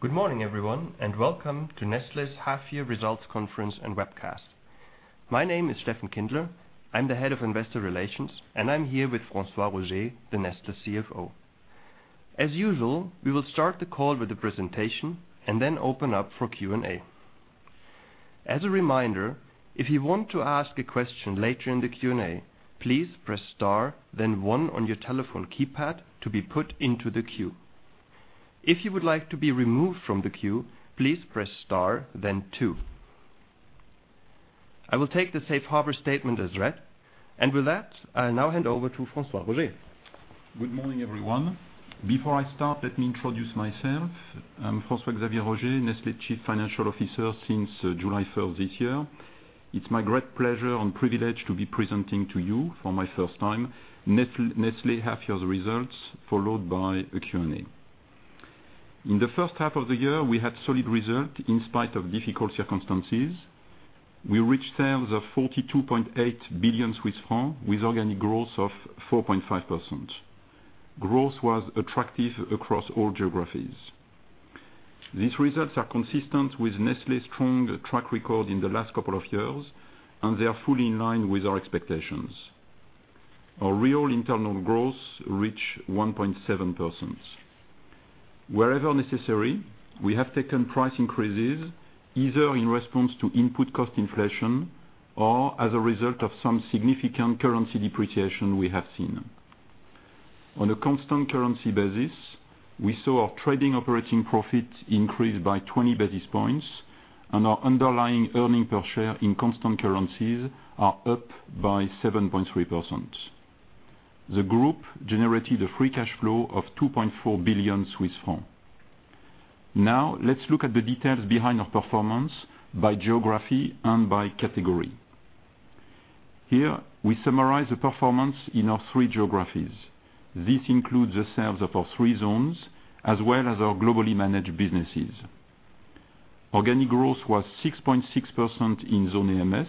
Good morning, everyone, and welcome to Nestlé's Half Year Results Conference and Webcast. My name is Steffen Kindler. I am the Head of Investor Relations, and I am here with François-Xavier Roger, the Nestlé CFO. As usual, we will start the call with the presentation and then open up for Q&A. As a reminder, if you want to ask a question later in the Q&A, please press star then one on your telephone keypad to be put into the queue. If you would like to be removed from the queue, please press star then two. I will take the safe harbor statement as read. With that, I now hand over to François-Xavier Roger. Good morning, everyone. Before I start, let me introduce myself. I am François-Xavier Roger, Nestlé Chief Financial Officer since July 1st this year. It's my great pleasure and privilege to be presenting to you for my first time, Nestlé's half year results, followed by a Q&A. In the first half of the year, we had solid result in spite of difficult circumstances. We reached sales of 42.8 billion Swiss francs with organic growth of 4.5%. Growth was attractive across all geographies. These results are consistent with Nestlé's strong track record in the last couple of years. They are fully in line with our expectations. Our real internal growth reach 1.7%. Wherever necessary, we have taken price increases, either in response to input cost inflation or as a result of some significant currency depreciation we have seen. On a constant currency basis, we saw our Trading operating profit increase by 20 basis points, and our underlying earning per share in constant currencies are up by 7.3%. The group generated a free cash flow of 2.4 billion Swiss francs. Let's look at the details behind our performance by geography and by category. Here, we summarize the performance in our three geographies. This includes the sales of our three zones as well as our globally managed businesses. Organic growth was 6.6% in Zone AMS,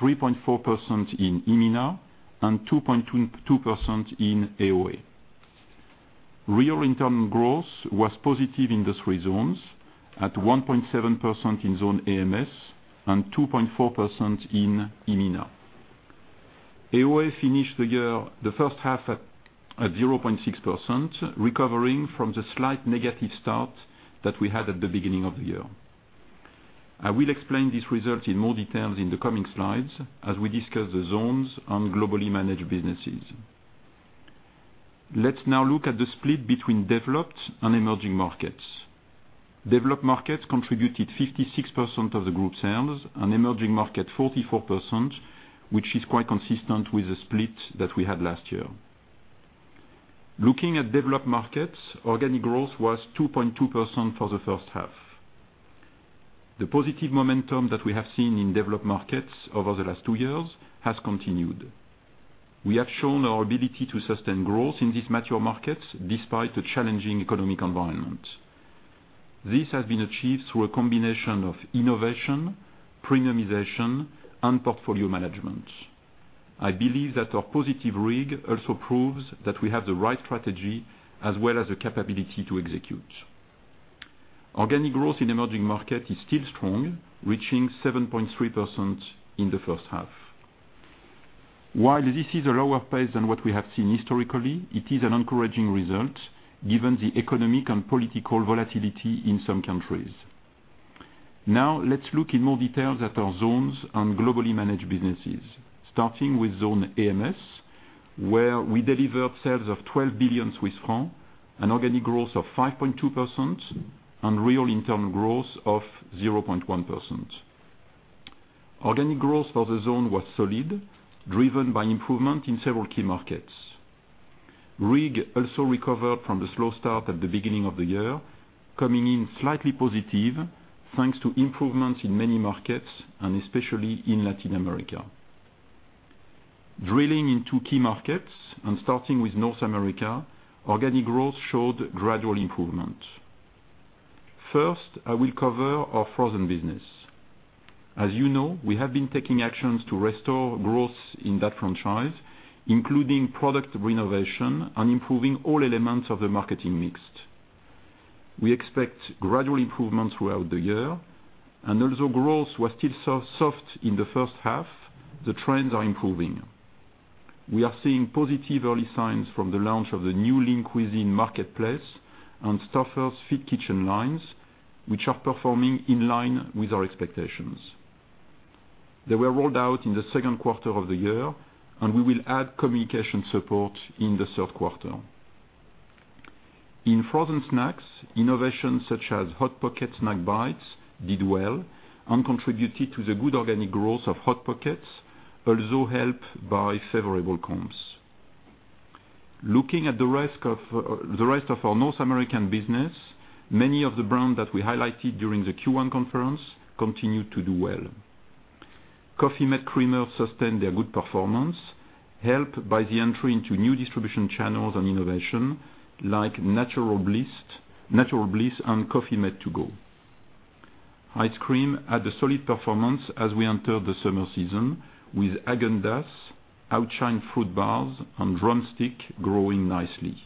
3.4% in EMENA, and 2.2% in AOA. Real internal growth was positive in the three zones at 1.7% in Zone AMS and 2.4% in EMENA. AOA finished the first half at 0.6%, recovering from the slight negative start that we had at the beginning of the year. I will explain this result in more details in the coming slides as we discuss the zones and globally managed businesses. Let's now look at the split between developed and emerging markets. Developed markets contributed 56% of the group sales and emerging market 44%, which is quite consistent with the split that we had last year. Looking at developed markets, organic growth was 2.2% for the first half. The positive momentum that we have seen in developed markets over the last two years has continued. We have shown our ability to sustain growth in these mature markets despite the challenging economic environment. This has been achieved through a combination of innovation, premiumization, and portfolio management. I believe that our positive RIG also proves that we have the right strategy as well as the capability to execute. Organic growth in emerging market is still strong, reaching 7.3% in the first half. While this is a lower price than what we have seen historically, it is an encouraging result given the economic and political volatility in some countries. Now, let's look in more details at our zones and globally managed businesses. Starting with Zone AMS, where we delivered sales of 12 billion Swiss francs and organic growth of 5.2% and real internal growth of 0.1%. Organic growth for the zone was solid, driven by improvement in several key markets. RIG also recovered from the slow start at the beginning of the year, coming in slightly positive, thanks to improvements in many markets and especially in Latin America. Drilling into key markets and starting with North America, organic growth showed gradual improvement. First, I will cover our frozen business. As you know, we have been taking actions to restore growth in that franchise, including product renovation and improving all elements of the marketing mix. We expect gradual improvement throughout the year. Although growth was still soft in the first half, the trends are improving. We are seeing positive early signs from the launch of the new Lean Cuisine Marketplace and Stouffer's Fit Kitchen lines, which are performing in line with our expectations. They were rolled out in the second quarter of the year, and we will add communication support in the third quarter. In frozen snacks, innovations such as Hot Pockets Snack Bites did well and contributed to the good organic growth of Hot Pockets, also helped by favorable comps. Looking at the rest of our North American business, many of the brands that we highlighted during the Q1 conference continued to do well. Coffee-mate creamer sustained their good performance, helped by the entry into new distribution channels and innovation like Natural Bliss and Coffee-mate 2Go. Ice cream had a solid performance as we entered the summer season with Häagen-Dazs, Outshine fruit bars, and Drumstick growing nicely.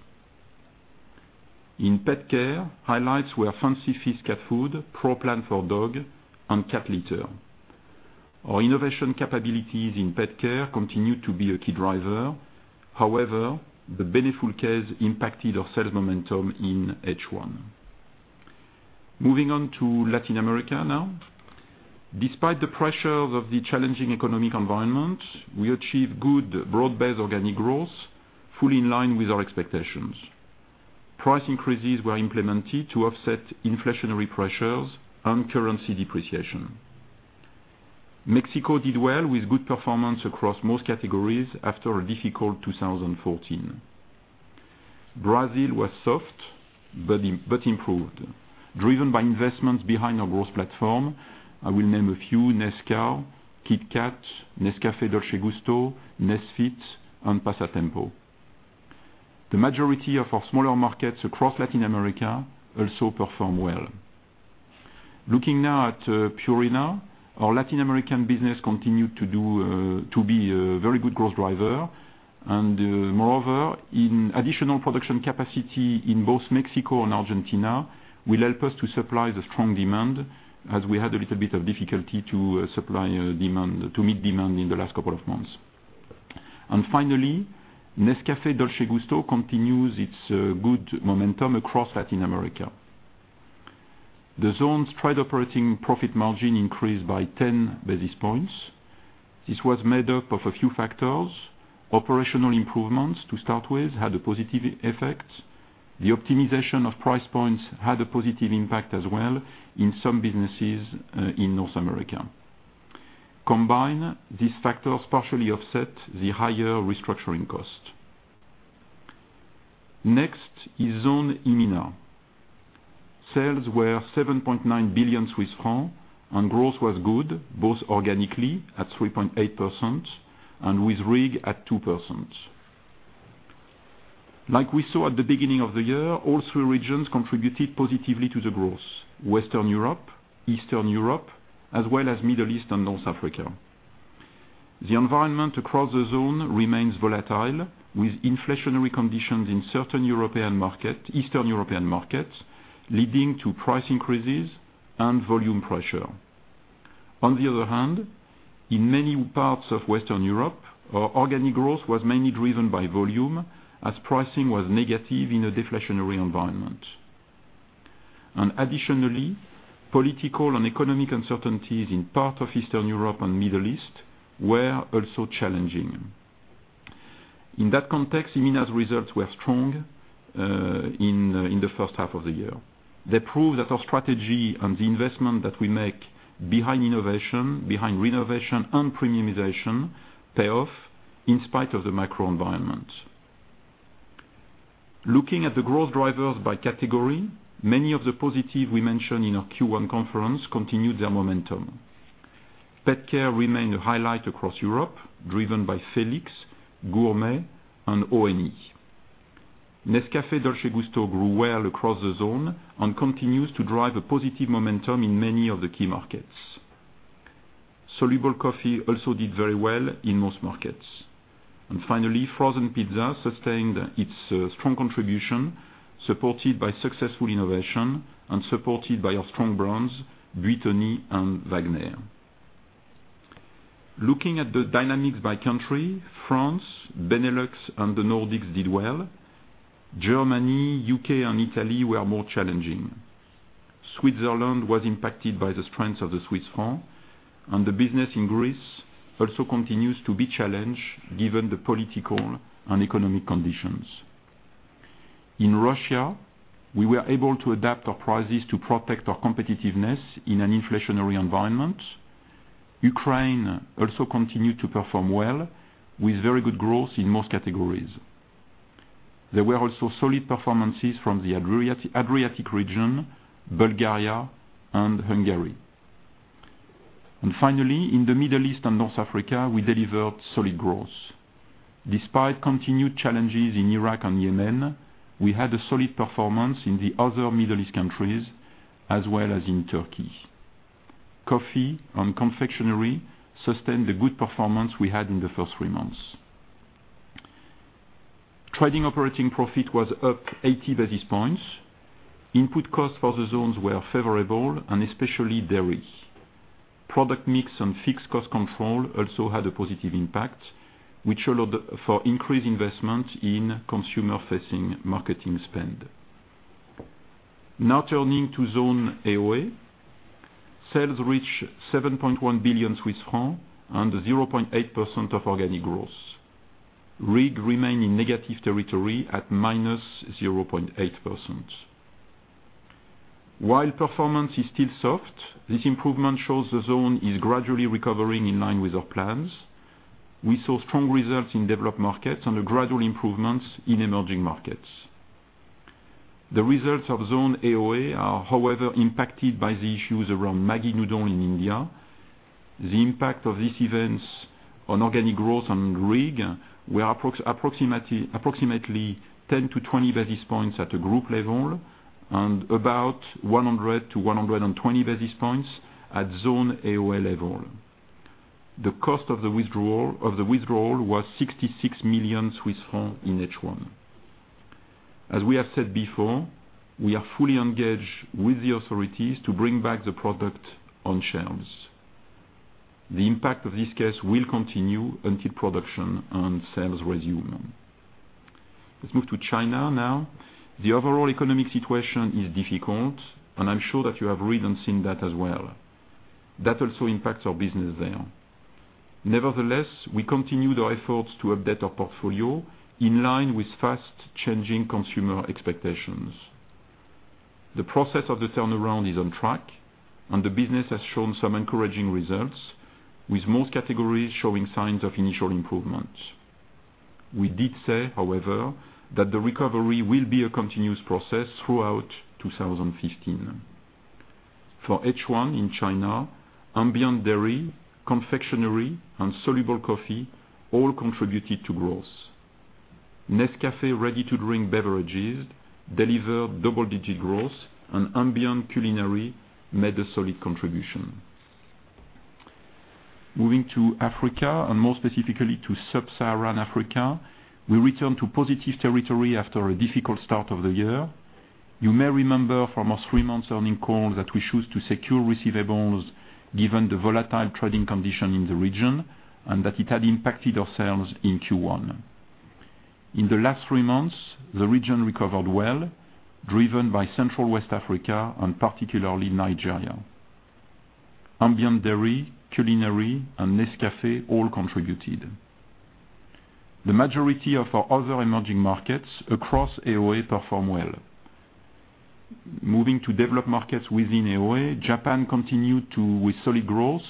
In pet care, highlights were Fancy Feast cat food, Pro Plan for dog, and cat litter. Our innovation capabilities in pet care continue to be a key driver. However, the Beneful case impacted our sales momentum in H1. Moving on to Latin America now. Despite the pressures of the challenging economic environment, we achieved good broad-based organic growth, fully in line with our expectations. Price increases were implemented to offset inflationary pressures and currency depreciation. Mexico did well with good performance across most categories after a difficult 2014. Brazil was soft, but improved. Driven by investments behind our growth platform, I will name a few, Nescafé, Kit Kat, Nescafé Dolce Gusto, Nesfit, and Passatempo. The majority of our smaller markets across Latin America also performed well. Looking now at Purina, our Latin American business continued to be a very good growth driver. Moreover, additional production capacity in both Mexico and Argentina will help us to supply the strong demand as we had a little bit of difficulty to meet demand in the last couple of months. Finally, Nescafé Dolce Gusto continues its good momentum across Latin America. The zone's Trading operating profit margin increased by 10 basis points. This was made up of a few factors. Operational improvements, to start with, had a positive effect. The optimization of price points had a positive impact as well in some businesses in North America. Combined, these factors partially offset the higher restructuring cost. Next is Zone EMENA. Sales were 7.9 billion Swiss francs, and growth was good, both organically at 3.8% and with RIG at 2%. Like we saw at the beginning of the year, all three regions contributed positively to the growth: Western Europe, Eastern Europe, as well as Middle East and North Africa. The environment across the zone remains volatile, with inflationary conditions in certain Eastern European markets, leading to price increases and volume pressure. On the other hand, in many parts of Western Europe, our organic growth was mainly driven by volume as pricing was negative in a deflationary environment. Additionally, political and economic uncertainties in part of Eastern Europe and Middle East were also challenging. In that context, EMENA's results were strong in the first half of the year. They prove that our strategy and the investment that we make behind innovation, behind renovation and premiumization pay off in spite of the macro environment. Looking at the growth drivers by category, many of the positive we mentioned in our Q1 conference continued their momentum. PetCare remained a highlight across Europe, driven by Felix, Gourmet, and Orijen. Nescafé Dolce Gusto grew well across the zone and continues to drive a positive momentum in many of the key markets. Soluble coffee also did very well in most markets. Finally, frozen pizza sustained its strong contribution, supported by successful innovation and supported by our strong brands, Buitoni and Wagner. Looking at the dynamics by country, France, Benelux, and the Nordics did well. Germany, U.K., and Italy were more challenging. Switzerland was impacted by the strength of the CHF, and the business in Greece also continues to be challenged given the political and economic conditions. In Russia, we were able to adapt our prices to protect our competitiveness in an inflationary environment. Ukraine also continued to perform well, with very good growth in most categories. There were also solid performances from the Adriatic region, Bulgaria, and Hungary. Finally, in the Middle East and North Africa, we delivered solid growth. Despite continued challenges in Iraq and Yemen, we had a solid performance in the other Middle East countries as well as in Turkey. Coffee and confectionery sustained the good performance we had in the first three months. Trading operating profit was up 80 basis points. Input costs for the zones were favorable, and especially dairy. Product mix and fixed cost control also had a positive impact, which allowed for increased investment in consumer-facing marketing spend. Now turning to Zone AOA. Sales reached 7.1 billion Swiss francs and 0.8% of organic growth. RIG remained in negative territory at -0.8%. While performance is still soft, this improvement shows the zone is gradually recovering in line with our plans. We saw strong results in developed markets and gradual improvements in emerging markets. The results of Zone AOA are, however, impacted by the issues around Maggi noodle in India. The impact of these events on organic growth and RIG were approximately 10-20 basis points at the group level and about 100-120 basis points at Zone AOA level. The cost of the withdrawal was 66 million Swiss francs in H1. As we have said before, we are fully engaged with the authorities to bring back the product on shelves. The impact of this case will continue until production and sales resume. Let's move to China now. The overall economic situation is difficult, and I am sure that you have read and seen that as well. That also impacts our business there. Nevertheless, we continue the efforts to update our portfolio in line with fast-changing consumer expectations. The process of the turnaround is on track, and the business has shown some encouraging results, with most categories showing signs of initial improvement. We did say, however, that the recovery will be a continuous process throughout 2015. For H1 in China, ambient dairy, confectionery, and soluble coffee all contributed to growth. Nescafé ready-to-drink beverages delivered double-digit growth, and ambient culinary made a solid contribution. Moving to Africa, and more specifically to Sub-Saharan Africa, we return to positive territory after a difficult start of the year. You may remember from our three months earnings call that we choose to secure receivables given the volatile trading condition in the region, and that it had impacted our sales in Q1. In the last three months, the region recovered well, driven by Central West Africa and particularly Nigeria. Ambient dairy, culinary, and Nescafé all contributed. The majority of our other emerging markets across AOA performed well. Moving to developed markets within AOA, Japan continued with solid growth,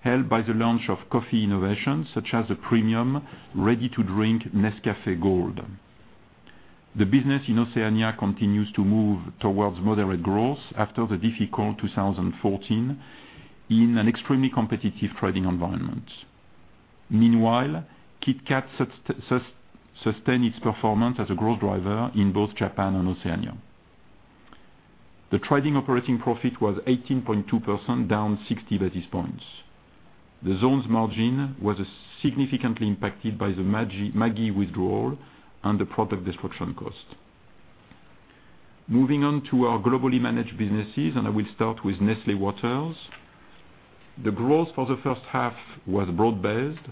helped by the launch of coffee innovations such as the premium ready-to-drink Nescafé Gold. The business in Oceania continues to move towards moderate growth after the difficult 2014 in an extremely competitive trading environment. Meanwhile, Kit Kat sustained its performance as a growth driver in both Japan and Oceania. The Trading operating profit was 18.2%, down 60 basis points. The zone's margin was significantly impacted by the Maggi withdrawal and the product destruction cost. Moving on to our globally managed businesses, I will start with Nestlé Waters. The growth for the first half was broad-based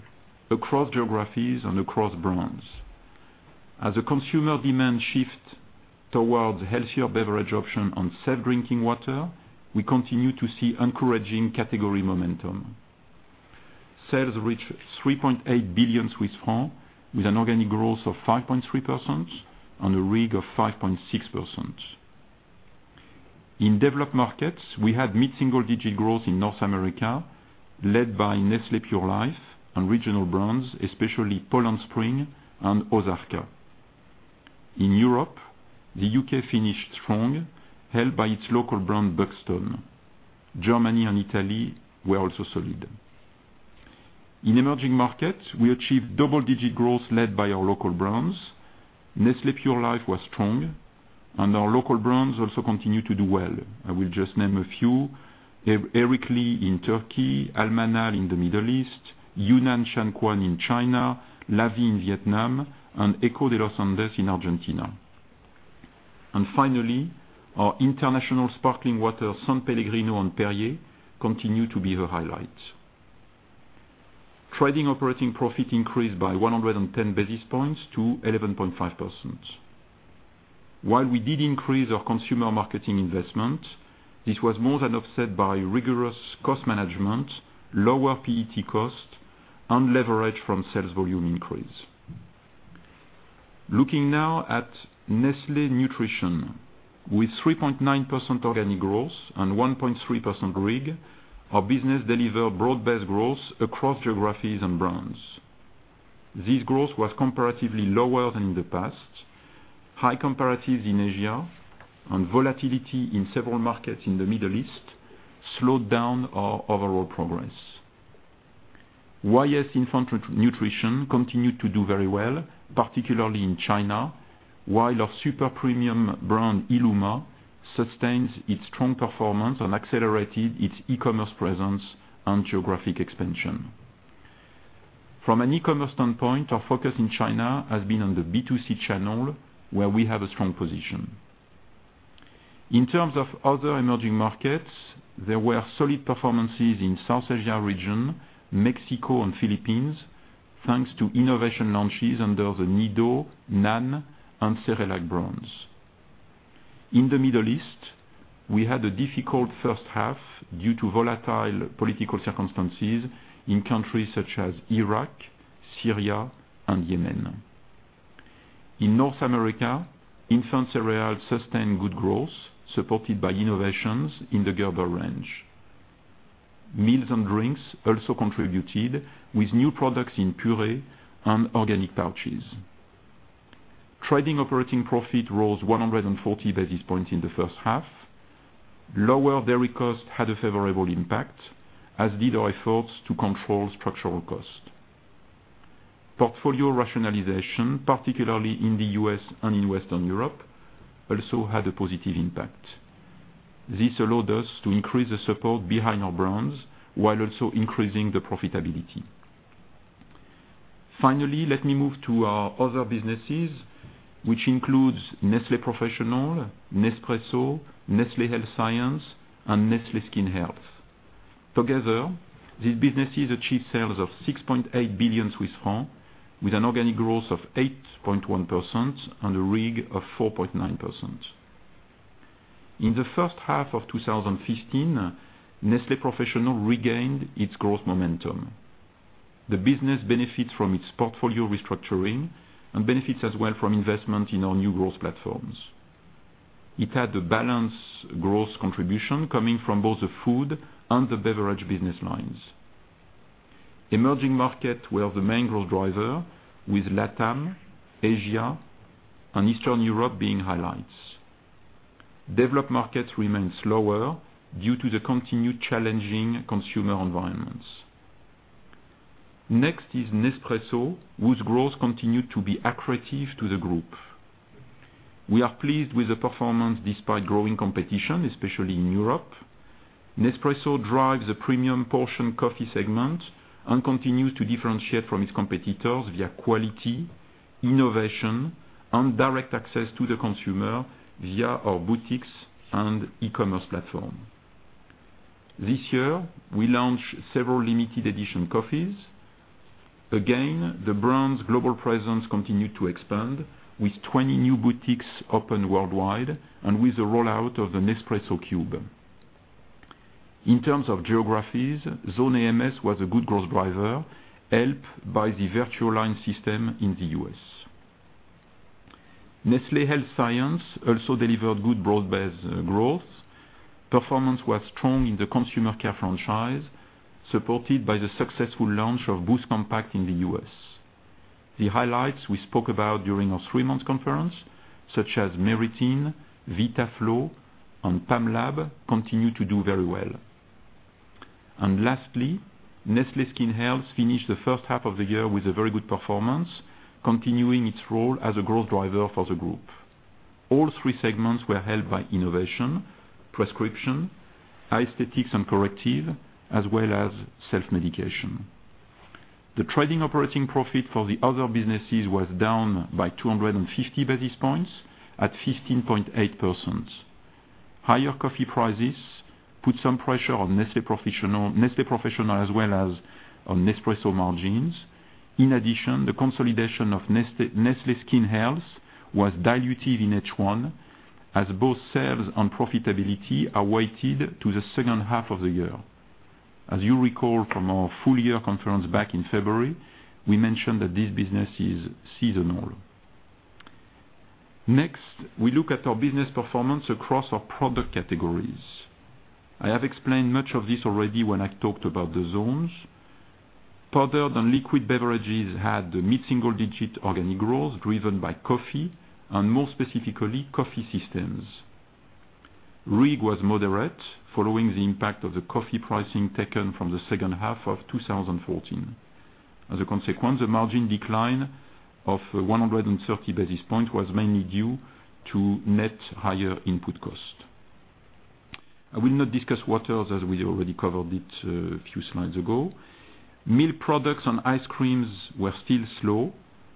across geographies and across brands. As the consumer demand shifts towards healthier beverage option on safe drinking water, we continue to see encouraging category momentum. Sales reached 3.8 billion Swiss francs with an organic growth of 5.3% and a RIG of 5.6%. In developed markets, we had mid-single digit growth in North America, led by Nestlé Pure Life and regional brands, especially Poland Spring and Ozarka. In Europe, the U.K. finished strong, helped by its local brand, Buxton. Germany and Italy were also solid. In emerging markets, we achieved double-digit growth led by our local brands. Nestlé Pure Life was strong. Our local brands also continued to do well. I will just name a few. Erikli in Turkey, Al Manhal in the Middle East, Yunnan Shanquan in China, La Vie in Vietnam, and Eco de los Andes in Argentina. Finally, our international sparkling water, S.Pellegrino and Perrier, continue to be the highlight. Trading operating profit increased by 110 basis points to 11.5%. While we did increase our consumer marketing investment, this was more than offset by rigorous cost management, lower PET cost, and leverage from sales volume increase. Looking now at Nestlé Nutrition, with 3.9% organic growth and 1.3% RIG, our business delivered broad-based growth across geographies and brands. This growth was comparatively lower than in the past. High comparatives in Asia and volatility in several markets in the Middle East slowed down our overall progress. Wyeth Infant Nutrition continued to do very well, particularly in China, while our super premium brand, Illuma, sustains its strong performance and accelerated its e-commerce presence and geographic expansion. From an e-commerce standpoint, our focus in China has been on the B2C channel, where we have a strong position. In terms of other emerging markets, there were solid performances in South Asia region, Mexico, and Philippines, thanks to innovation launches under the Nido, NAN, and Cerelac brands. In the Middle East, we had a difficult first half due to volatile political circumstances in countries such as Iraq, Syria, and Yemen. In North America, infant cereal sustained good growth, supported by innovations in the Gerber range. Meals and drinks also contributed with new products in puree and organic pouches. Trading operating profit rose 140 basis points in the first half. Lower dairy cost had a favorable impact, as did our efforts to control structural cost. Portfolio rationalization, particularly in the U.S. and in Western Europe, also had a positive impact. This allowed us to increase the support behind our brands while also increasing the profitability. Finally, let me move to our other businesses, which includes Nestlé Professional, Nespresso, Nestlé Health Science, and Nestlé Skin Health. Together, these businesses achieve sales of 6.8 billion Swiss francs, with an organic growth of 8.1% and a RIG of 4.9%. In the first half of 2015, Nestlé Professional regained its growth momentum. The business benefits from its portfolio restructuring and benefits as well from investment in our new growth platforms. It had a balanced growth contribution coming from both the food and the beverage business lines. Emerging markets were the main growth driver, with LATAM, Asia, and Eastern Europe being highlights. Developed markets remain slower due to the continued challenging consumer environments. Next is Nespresso, whose growth continued to be accretive to the group. We are pleased with the performance despite growing competition, especially in Europe. Nespresso drives a premium portion coffee segment and continues to differentiate from its competitors via quality, innovation, and direct access to the consumer via our boutiques and e-commerce platform. This year, we launched several limited edition coffees. Again, the brand's global presence continued to expand, with 20 new boutiques opened worldwide and with the rollout of the Nespresso Cube. In terms of geographies, Zone AMS was a good growth driver, helped by the VertuoLine system in the U.S. Nestlé Health Science also delivered good broad-based growth. Performance was strong in the consumer care franchise, supported by the successful launch of BOOST Compact in the U.S. The highlights we spoke about during our three-month conference, such as Meritene, Vitaflo, and Pamlab, continue to do very well. Lastly, Nestlé Skin Health finished the first half of the year with a very good performance, continuing its role as a growth driver for the group. All three segments were helped by innovation, prescription, aesthetics and corrective, as well as self-medication. The trading operating profit for the other businesses was down by 250 basis points at 15.8%. Higher coffee prices put some pressure on Nestlé Professional as well as on Nespresso margins. In addition, the consolidation of Nestlé Skin Health was dilutive in H1, as both sales and profitability are weighted to the second half of the year. As you recall from our full year conference back in February, we mentioned that this business is seasonal. Next, we look at our business performance across our product categories. I have explained much of this already when I talked about the zones. Powdered and liquid beverages had mid-single-digit organic growth driven by coffee, and more specifically, coffee systems. RIG was moderate following the impact of the coffee pricing taken from the second half of 2014. As a consequence, the margin decline of 130 basis points was mainly due to net higher input cost. I will not discuss waters, as we already covered it a few slides ago. Milk products and ice creams were still slow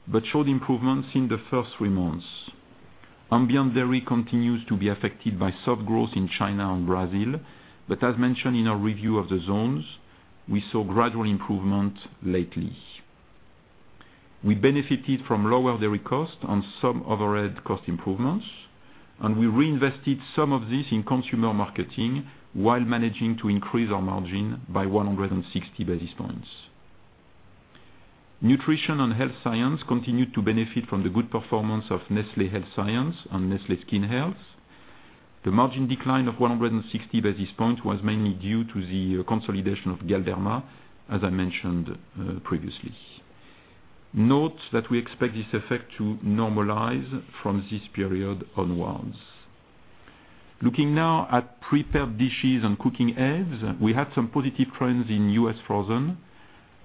but showed improvements in the first three months. Ambient dairy continues to be affected by soft growth in China and Brazil, but as mentioned in our review of the zones, we saw gradual improvement lately. We benefited from lower dairy cost and some overhead cost improvements, we reinvested some of this in consumer marketing while managing to increase our margin by 160 basis points. Nutrition and Health Science continued to benefit from the good performance of Nestlé Health Science and Nestlé Skin Health. The margin decline of 160 basis points was mainly due to the consolidation of Galderma, as I mentioned previously. Note that we expect this effect to normalize from this period onwards. Looking now at prepared dishes and cooking aids, we had some positive trends in U.S. frozen.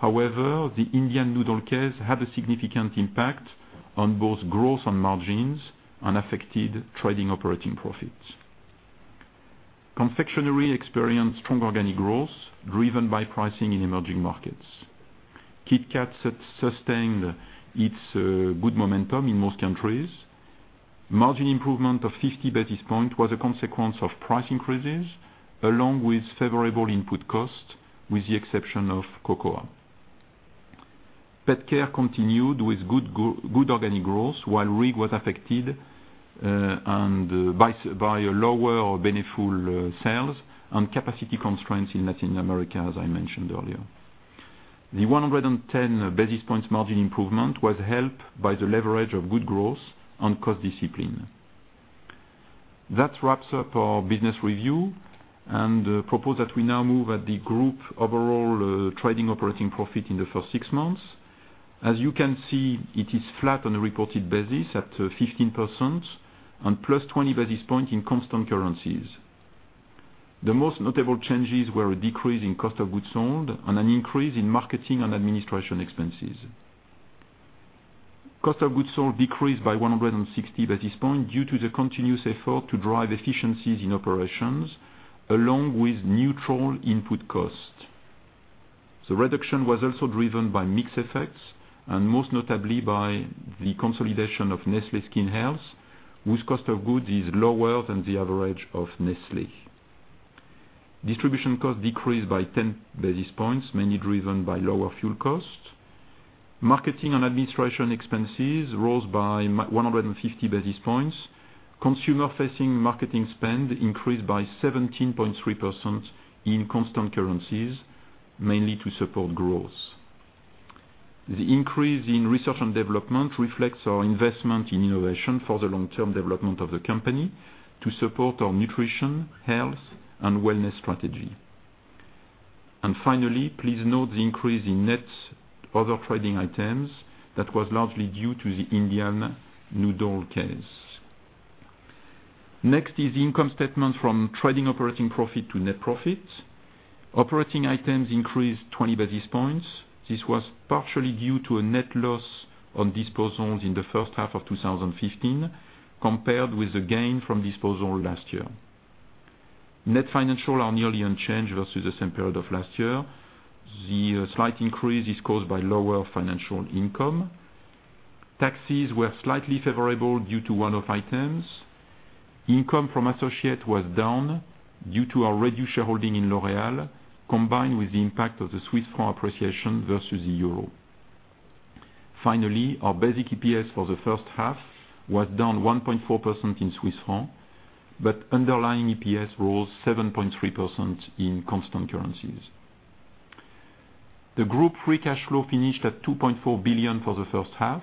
However, the Indian noodle case had a significant impact on both growth and margins and affected trading operating profits. Confectionery experienced strong organic growth driven by pricing in emerging markets. Kit Kat sustained its good momentum in most countries. Margin improvement of 50 basis points was a consequence of price increases along with favorable input cost, with the exception of cocoa. PetCare continued with good organic growth while RIG was affected by lower Beneful sales and capacity constraints in Latin America, as I mentioned earlier. The 110 basis points margin improvement was helped by the leverage of good growth and cost discipline. Propose that we now move at the group overall trading operating profit in the first six months. As you can see, it is flat on a reported basis at 15% and plus 20 basis points in constant currencies. The most notable changes were a decrease in cost of goods sold and an increase in marketing and administration expenses. Cost of goods sold decreased by 160 basis points due to the continuous effort to drive efficiencies in operations, along with neutral input costs. The reduction was also driven by mix effects and most notably by the consolidation of Nestlé Skin Health, whose cost of goods is lower than the average of Nestlé. Distribution costs decreased by 10 basis points, mainly driven by lower fuel costs. Marketing and administration expenses rose by 150 basis points. Consumer-facing marketing spend increased by 17.3% in constant currencies, mainly to support growth. The increase in research and development reflects our investment in innovation for the long-term development of the company to support our nutrition, health, and wellness strategy. Finally, please note the increase in net other trading items that was largely due to the Indian noodle case. Next is the income statement from trading operating profit to net profit. Operating items increased 20 basis points. This was partially due to a net loss on disposals in the first half of 2015 compared with the gain from disposal last year. Net financial are nearly unchanged versus the same period of last year. The slight increase is caused by lower financial income. Taxes were slightly favorable due to one-off items. Income from associate was down due to our reduced shareholding in L'Oréal, combined with the impact of the Swiss franc appreciation versus the euro. Finally, our basic EPS for the first half was down 1.4% in Swiss franc, but underlying EPS rose 7.3% in constant currencies. The group free cash flow finished at 2.4 billion for the first half.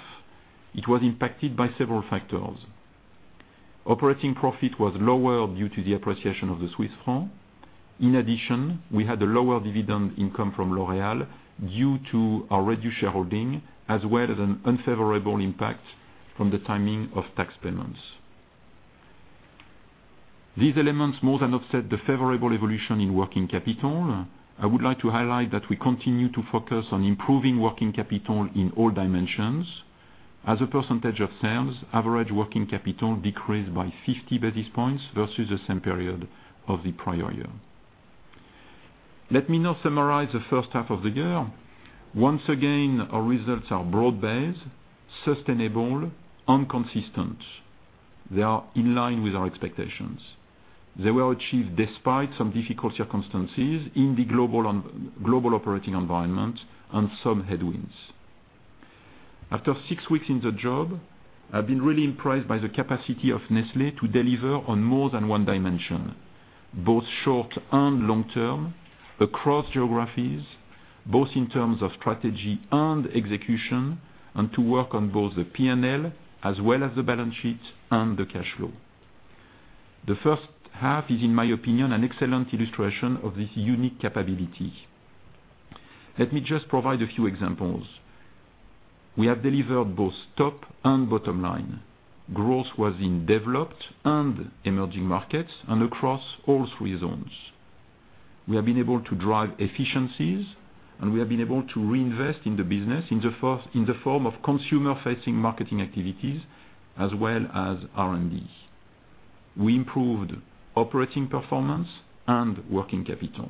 It was impacted by several factors. Operating profit was lower due to the appreciation of the Swiss franc. In addition, we had a lower dividend income from L'Oréal due to our reduced shareholding, as well as an unfavorable impact from the timing of tax payments. These elements more than offset the favorable evolution in working capital. I would like to highlight that we continue to focus on improving working capital in all dimensions. As a percentage of sales, average working capital decreased by 50 basis points versus the same period of the prior year. Let me now summarize the first half of the year. Once again, our results are broad-based, sustainable, and consistent. They are in line with our expectations. They were achieved despite some difficult circumstances in the global operating environment and some headwinds. After six weeks in the job, I've been really impressed by the capacity of Nestlé to deliver on more than one dimension, both short and long-term, across geographies, both in terms of strategy and execution, and to work on both the P&L as well as the balance sheet and the cash flow. The first half is, in my opinion, an excellent illustration of this unique capability. Let me just provide a few examples. We have delivered both top and bottom line. Growth was in developed and emerging markets, and across all three zones. We have been able to drive efficiencies, and we have been able to reinvest in the business in the form of consumer-facing marketing activities as well as R&D. We improved operating performance and working capital.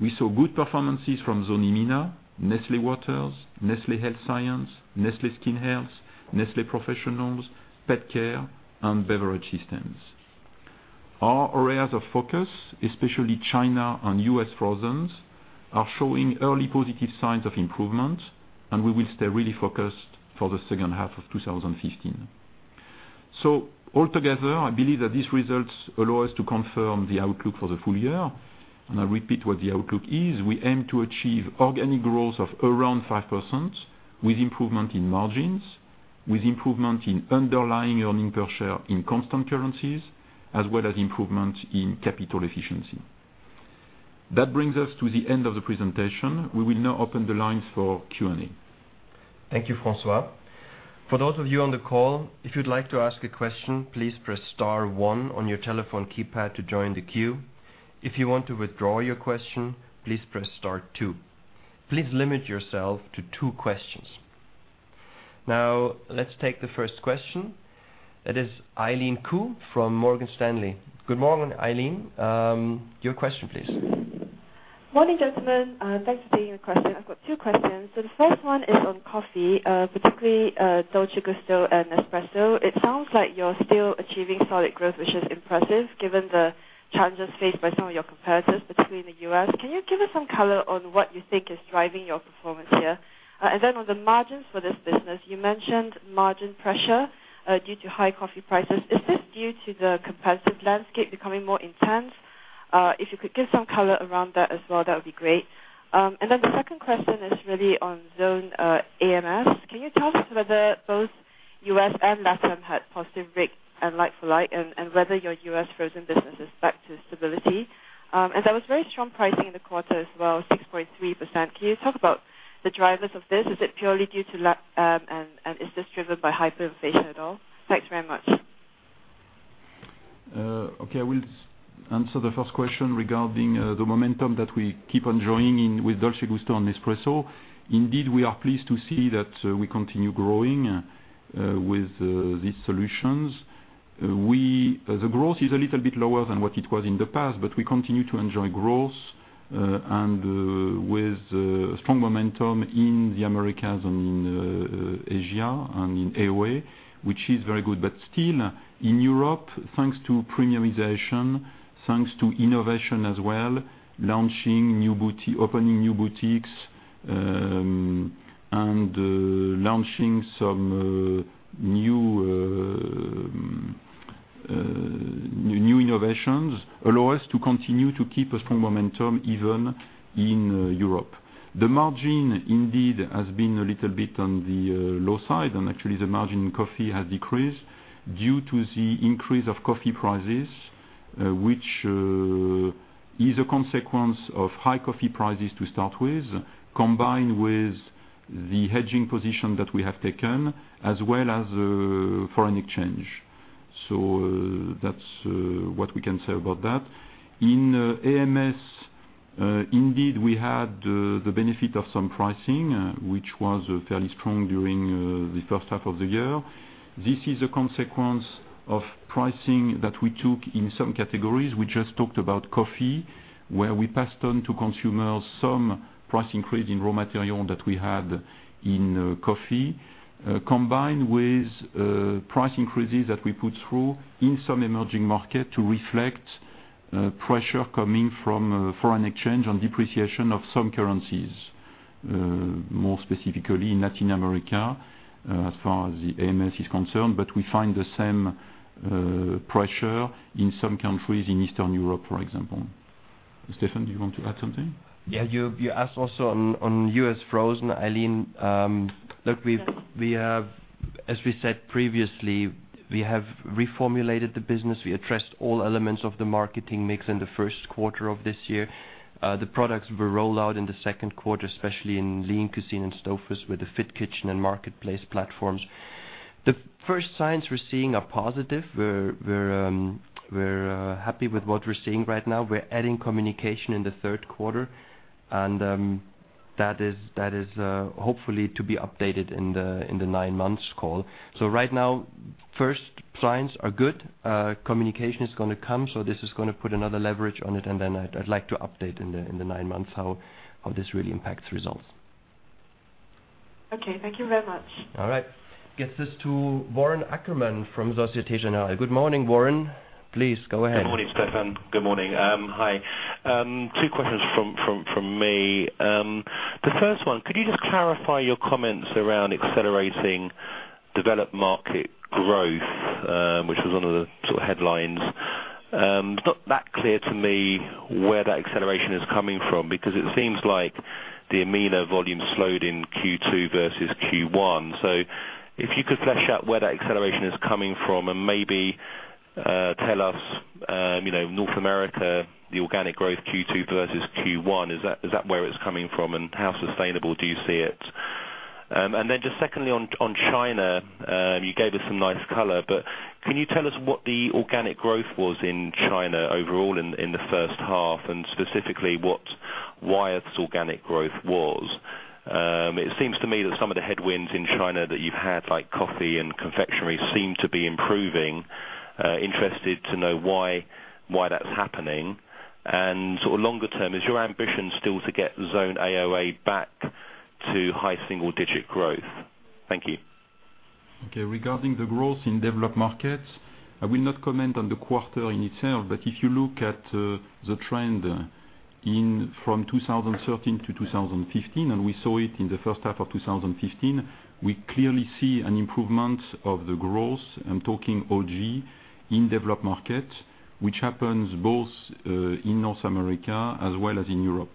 We saw good performances from Zone EMENA, Nestlé Waters, Nestlé Health Science, Nestlé Skin Health, Nestlé Professional, Pet Care, and Beverage Systems. Our areas of focus, especially China and U.S. frozen, are showing early positive signs of improvement, and we will stay really focused for the second half of 2015. Altogether, I believe that these results allow us to confirm the outlook for the full year. I repeat what the outlook is. We aim to achieve organic growth of around 5% with improvement in margins, with improvement in underlying earnings per share in constant currencies, as well as improvement in capital efficiency. That brings us to the end of the presentation. We will now open the lines for Q&A. Thank you, François. For those of you on the call, if you'd like to ask a question, please press star one on your telephone keypad to join the queue. If you want to withdraw your question, please press star two. Please limit yourself to two questions. Now, let's take the first question. That is Eileen Khoo from Morgan Stanley. Good morning, Eileen. Your question, please. Morning, gentlemen. Thanks for taking the question. I've got two questions. The first one is on coffee, particularly Dolce Gusto and Nespresso. It sounds like you're still achieving solid growth, which is impressive given the challenges faced by some of your competitors, particularly in the U.S. Can you give us some color on what you think is driving your performance here? On the margins for this business, you mentioned margin pressure due to high coffee prices. Is this due to the competitive landscape becoming more intense? If you could give some color around that as well, that would be great. The second question is really on Zone AMS. Can you tell us whether both U.S. and LATAM had positive RIG and like-for-like, and whether your U.S. frozen business is back to stability? There was very strong pricing in the quarter as well, 6.3%. Can you talk about the drivers of this? Is this driven by hyperinflation at all? Thanks very much. Okay. I will answer the first question regarding the momentum that we keep on growing with Dolce Gusto and Nespresso. Indeed, we are pleased to see that we continue growing with these solutions. The growth is a little bit lower than what it was in the past, but we continue to enjoy growth, with strong momentum in the Americas and in Asia and in AOA, which is very good. Still, in Europe, thanks to premiumization, thanks to innovation as well, opening new boutiques and launching some new innovations, allow us to continue to keep a strong momentum even in Europe. The margin indeed has been a little bit on the low side and actually, the margin in coffee has decreased due to the increase of coffee prices, which is a consequence of high coffee prices to start with, combined with the hedging position that we have taken, as well as foreign exchange. That's what we can say about that. In Zone AMS, indeed, we had the benefit of some pricing, which was fairly strong during the first half of the year. This is a consequence of pricing that we took in some categories. We just talked about coffee, where we passed on to consumers some price increase in raw material that we had in coffee, combined with price increases that we put through in some emerging market to reflect pressure coming from foreign exchange on depreciation of some currencies, more specifically in Latin America, as far as the Zone AMS is concerned. We find the same pressure in some countries in Eastern Europe, for example. Steffen, do you want to add something? Yeah. You asked also on U.S. Frozen, Eileen. As we said previously, we have reformulated the business. We addressed all elements of the marketing mix in the first quarter of this year. The products were rolled out in the second quarter, especially in Lean Cuisine and Stouffer's with the Fit Kitchen and Marketplace platforms. The first signs we're seeing are positive. We're happy with what we're seeing right now. We're adding communication in the third quarter. That is hopefully to be updated in the nine months call. Right now, first signs are good. Communication is going to come. This is going to put another leverage on it. I'd like to update in the nine months how this really impacts results. Okay. Thank you very much. All right. Get this to Warren Ackerman from Société Générale. Good morning, Warren. Please go ahead. Good morning, Steffen. Good morning. Hi. Two questions from me. The first one, could you just clarify your comments around accelerating developed market growth, which was one of the sort of headlines? It is not that clear to me where that acceleration is coming from, because it seems like the AOA volume slowed in Q2 versus Q1. If you could flesh out where that acceleration is coming from and maybe tell us, North America, the organic growth Q2 versus Q1, is that where it is coming from, and how sustainable do you see it? Just secondly on China, you gave us some nice color, but can you tell us what the organic growth was in China overall in the first half, and specifically what Wyeth's organic growth was? It seems to me that some of the headwinds in China that you have had, like coffee and confectionery, seem to be improving. Interested to know why that is happening. Sort of longer term, is your ambition still to get Zone AOA back to high single-digit growth? Thank you. Okay. Regarding the growth in developed markets, I will not comment on the quarter in itself. If you look at the trend from 2013 to 2015, and we saw it in the first half of 2015, we clearly see an improvement of the growth, I am talking OG, in developed markets, which happens both in North America as well as in Europe.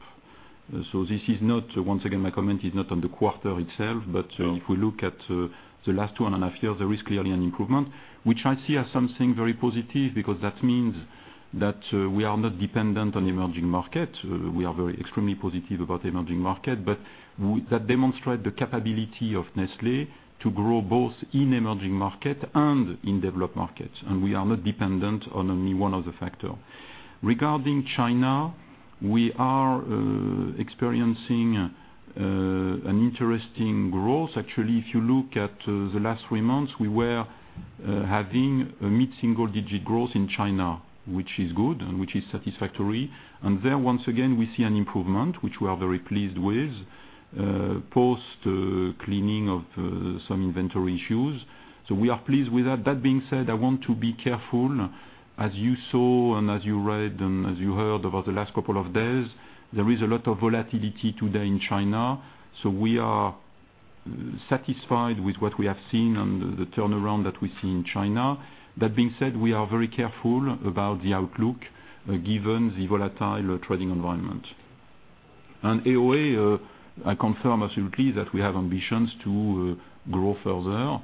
This is not, once again, my comment is not on the quarter itself. If we look at the last two and a half years, there is clearly an improvement, which I see as something very positive because that means that we are not dependent on emerging markets. We are extremely positive about emerging markets, but that demonstrates the capability of Nestlé to grow both in emerging markets and in developed markets. We are not dependent on only one other factor. Regarding China, we are experiencing an interesting growth. Actually, if you look at the last three months, we were having a mid-single digit growth in China, which is good and which is satisfactory. There, once again, we see an improvement, which we are very pleased with, post-cleaning of some inventory issues. We are pleased with that. That being said, I want to be careful. As you saw and as you read and as you heard over the last couple of days, there is a lot of volatility today in China. We are satisfied with what we have seen and the turnaround that we see in China. That being said, we are very careful about the outlook given the volatile trading environment. AOA, I confirm absolutely that we have ambitions to grow further.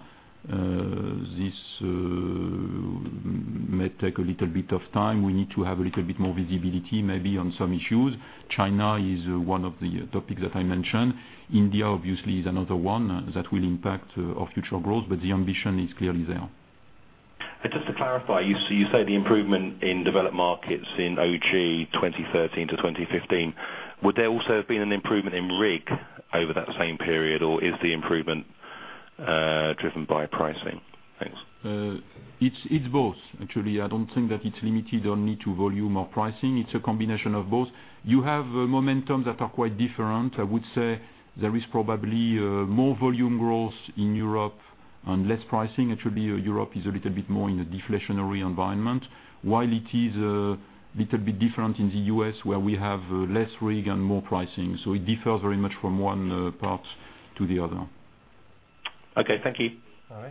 This may take a little bit of time. We need to have a little bit more visibility maybe on some issues. China is one of the topics that I mentioned. India obviously is another one that will impact our future growth, the ambition is clearly there. Just to clarify, you say the improvement in developed markets in OG 2013-2015. Would there also have been an improvement in RIG over that same period, or is the improvement driven by pricing? Thanks. It's both, actually. I don't think that it's limited only to volume or pricing. It's a combination of both. You have momentum that are quite different. I would say there is probably more volume growth in Europe and less pricing. Actually, Europe is a little bit more in a deflationary environment, while it is a little bit different in the U.S. where we have less RIG and more pricing. It differs very much from one part to the other. Okay. Thank you. All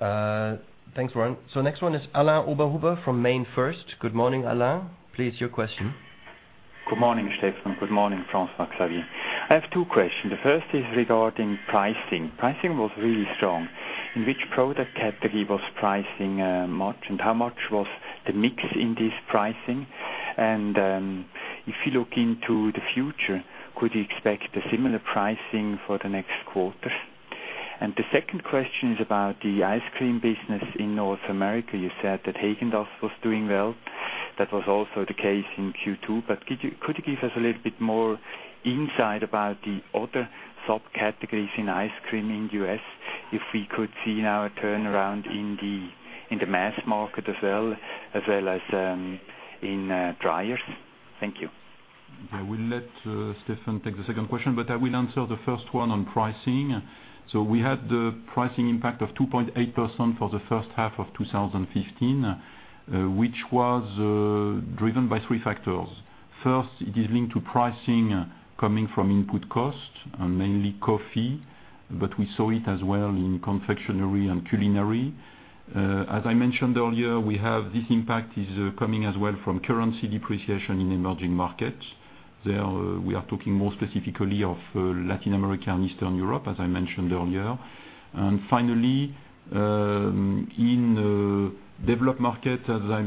right. Thanks, Warren. Next one is Alain Oberhuber from MainFirst. Good morning, Alain. Please, your question. Good morning, Stefan. Good morning, François-Xavier. I have two questions. The first is regarding pricing. Pricing was really strong. In which product category was pricing much, and how much was the mix in this pricing? If you look into the future, could you expect a similar pricing for the next quarters? The second question is about the ice cream business in North America. You said that Häagen-Dazs was doing well. That was also the case in Q2. But could you give us a little bit more insight about the other subcategories in ice cream in the U.S., if we could see now a turnaround in the mass market as well, as well as in Dreyer's? Thank you. I will let Stefan take the second question, but I will answer the first one on pricing. We had the pricing impact of 2.8% for the first half of 2015, which was driven by three factors. First, it is linked to pricing coming from input costs and mainly coffee, but we saw it as well in confectionery and culinary. As I mentioned earlier, this impact is coming as well from currency depreciation in emerging markets. There, we are talking more specifically of Latin America and Eastern Europe, as I mentioned earlier. Finally, in developed market, as I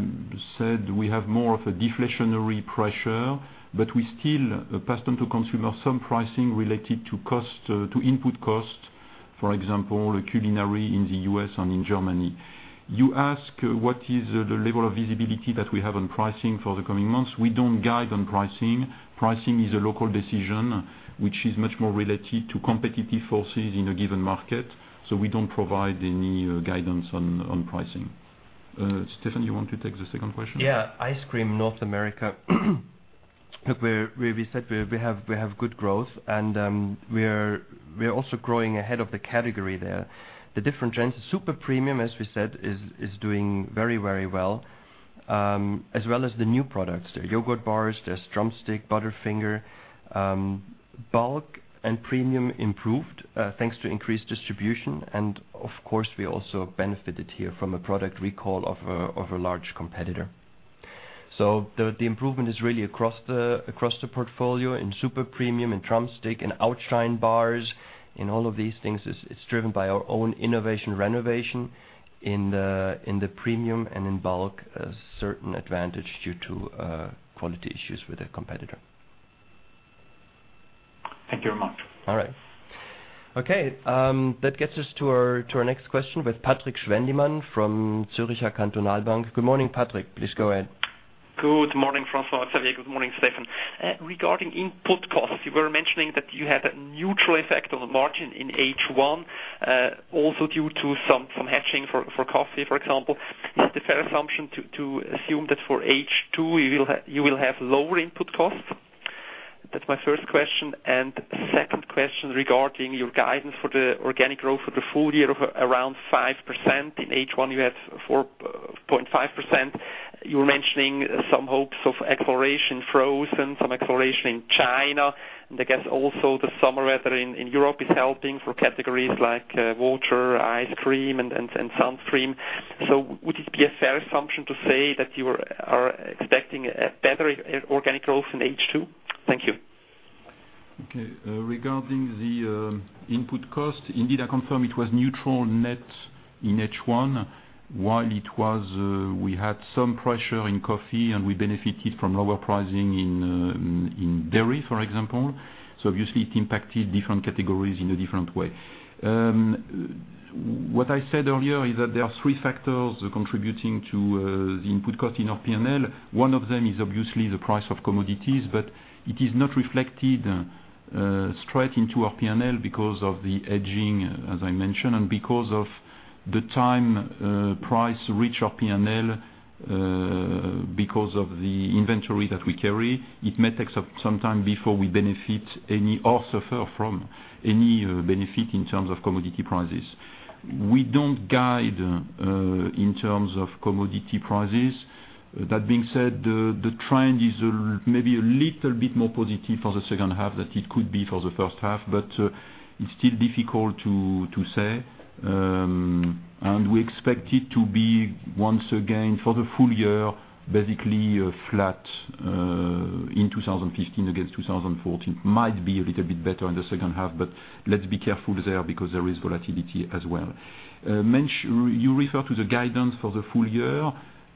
said, we have more of a deflationary pressure, but we still pass on to consumer some pricing related to input cost. For example, culinary in the U.S. and in Germany. You ask what is the level of visibility that we have on pricing for the coming months. We don't guide on pricing. Pricing is a local decision, which is much more related to competitive forces in a given market. We don't provide any guidance on pricing. Stefan, you want to take the second question? Yeah. Ice cream North America, look, where we said we have good growth, and we're also growing ahead of the category there. The different trends, super premium, as we said, is doing very well, as well as the new products. There are yogurt bars, there's Drumstick, Butterfinger. Bulk and premium improved, thanks to increased distribution, and of course, we also benefited here from a product recall of a large competitor. The improvement is really across the portfolio in super premium, in Drumstick, in Outshine bars, in all of these things. It's driven by our own innovation renovation in the premium and in bulk, a certain advantage due to quality issues with a competitor. Thank you very much. All right. Okay, that gets us to our next question with Patrik Schwendimann from Zürcher Kantonalbank. Good morning, Patrik. Please go ahead. Good morning, François-Xavier. Good morning, Stefan. Regarding input costs, you were mentioning that you had a neutral effect on the margin in H1, also due to some hedging for coffee, for example. Is the fair assumption to assume that for H2 you will have lower input costs? That's my first question. Second question regarding your guidance for the organic growth for the full year of around 5%. In H1, you had 4.5%. You were mentioning some hopes of acceleration frozen, some acceleration in China, and I guess also the summer weather in Europe is helping for categories like water, ice cream, and sun cream. Would it be a fair assumption to say that you are expecting a better organic growth in H2? Thank you. Okay. Regarding the input cost, indeed, I confirm it was neutral net in H1, while it was, we had some pressure in coffee, and we benefited from lower pricing in dairy, for example. Obviously, it impacted different categories in a different way. What I said earlier is that there are three factors contributing to the input cost in our P&L. One of them is obviously the price of commodities, but it is not reflected straight into our P&L because of the hedging, as I mentioned, and because of the time price reach our P&L. Because of the inventory that we carry, it may take some time before we benefit any or suffer from any benefit in terms of commodity prices. We don't guide in terms of commodity prices. That being said, the trend is maybe a little bit more positive for the second half than it could be for the first half, but it's still difficult to say. We expect it to be, once again, for the full year, basically flat in 2015 against 2014. Might be a little bit better in the second half, but let's be careful there because there is volatility as well. You refer to the guidance for the full year.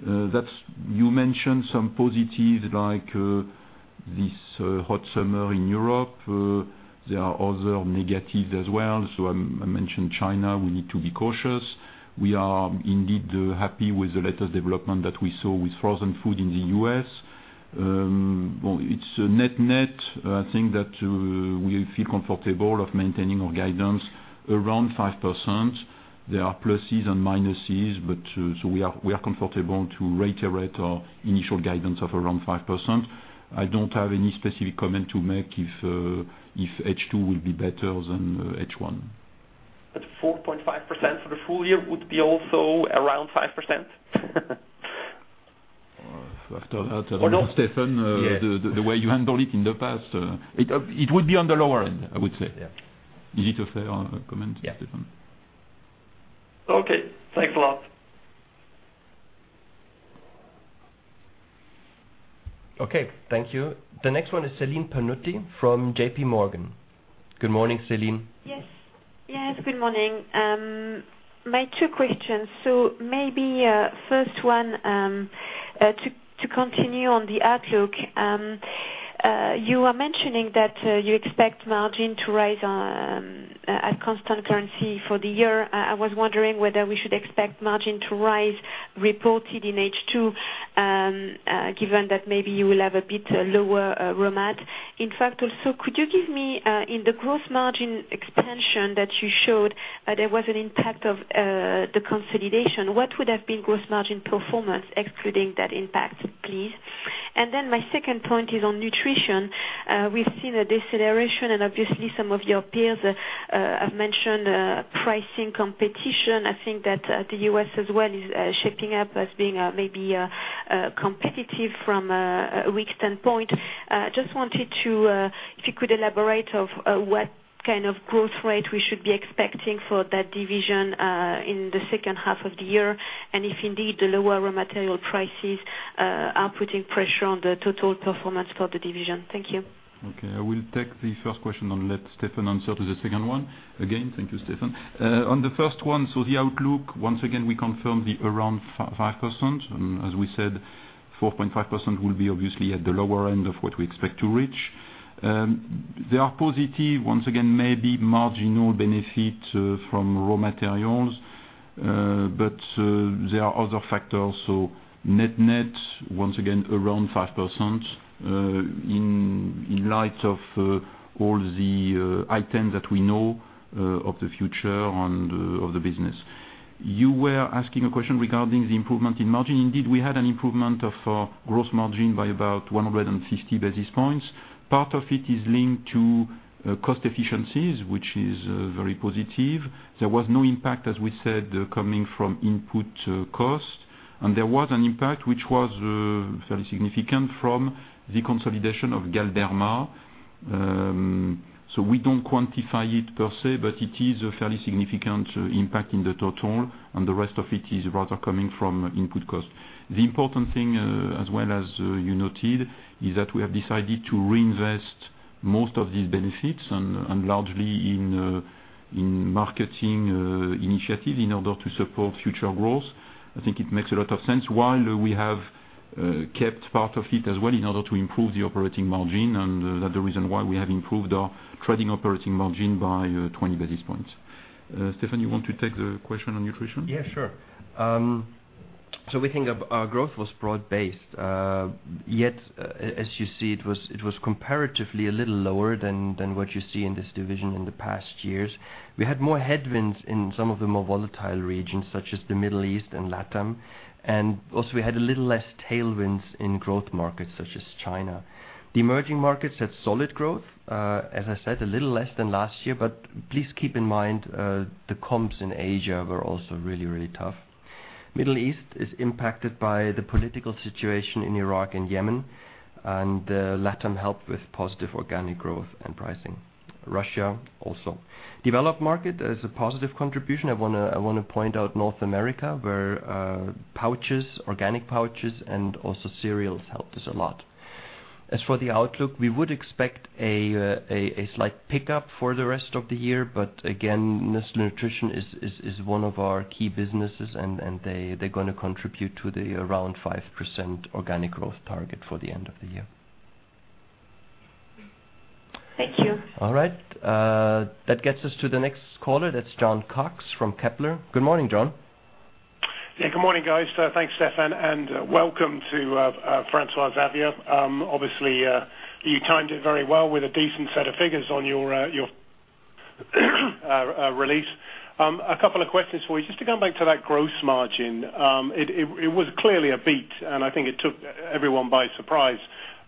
You mentioned some positives like this hot summer in Europe. There are other negatives as well. I mentioned China, we need to be cautious. We are indeed happy with the latest development that we saw with frozen food in the U.S. It's a net-net thing that we feel comfortable of maintaining our guidance around 5%. There are pluses and minuses, we are comfortable to reiterate our initial guidance of around 5%. I don't have any specific comment to make if H2 will be better than H1. 4.5% for the full year would be also around 5%? I'll have to ask Stefan. Not? The way you handled it in the past. It would be on the lower end, I would say. Yes. Is it a fair comment, Stefan? Yes. Okay. Thanks a lot. Okay. Thank you. The next one is Celine Pannuti from J.P. Morgan. Good morning, Celine. Yes. Good morning. My two questions. Maybe first one, to continue on the outlook. You are mentioning that you expect margin to rise at constant currency for the year. I was wondering whether we should expect margin to rise reported in H2, given that maybe you will have a bit lower raw mat. In fact, also, could you give me, in the gross margin expansion that you showed, there was an impact of the consolidation. What would have been gross margin performance excluding that impact, please? My second point is on nutrition. We've seen a deceleration and obviously some of your peers have mentioned pricing competition. I think that the U.S. as well is shaping up as being maybe competitive from a weak standpoint. Just wanted to, if you could elaborate of what kind of growth rate we should be expecting for that division, in the second half of the year, and if indeed the lower raw material prices are putting pressure on the total performance for the division. Thank you. Okay. I will take the first question and let Stefan answer the second one. Again, thank you, Stefan. The outlook, once again, we confirm the around 5%. As we said, 4.5% will be obviously at the lower end of what we expect to reach. There are positive, once again, maybe marginal benefit from raw materials. There are other factors. Net-net, once again around 5%, in light of all the items that we know of the future of the business. You were asking a question regarding the improvement in margin. Indeed, we had an improvement of gross margin by about 150 basis points. Part of it is linked to cost efficiencies, which is very positive. There was no impact, as we said, coming from input cost. There was an impact, which was fairly significant from the consolidation of Galderma. We don't quantify it per se, but it is a fairly significant impact in the total, the rest of it is rather coming from input cost. The important thing, as well as you noted, is that we have decided to reinvest most of these benefits largely in marketing initiative in order to support future growth. I think it makes a lot of sense while we have kept part of it as well in order to improve the operating margin, that the reason why we have improved our trading operating margin by 20 basis points. Stefan, you want to take the question on nutrition? Yeah, sure. We think our growth was broad based. As you see, it was comparatively a little lower than what you see in this division in the past years. We had more headwinds in some of the more volatile regions, such as the Middle East and LATAM. We had a little less tailwinds in growth markets such as China. The emerging markets had solid growth, as I said, a little less than last year, please keep in mind, the comps in Asia were also really tough. Middle East is impacted by the political situation in Iraq and Yemen, and LATAM helped with positive organic growth and pricing. Russia also. Developed market is a positive contribution. I want to point out North America, where pouches, organic pouches, and also cereals helped us a lot. As for the outlook, we would expect a slight pickup for the rest of the year. Again, Nestlé Nutrition is one of our key businesses, and they're going to contribute to the around 5% organic growth target for the end of the year. Thank you. All right. That gets us to the next caller. That's Jon Cox from Kepler. Good morning, Jon. Good morning, guys. Thanks, Stefan, and welcome to François-Xavier. Obviously, you timed it very well with a decent set of figures on your Our release. A couple of questions for you. Just to come back to that gross margin. It was clearly a beat, and I think it took everyone by surprise.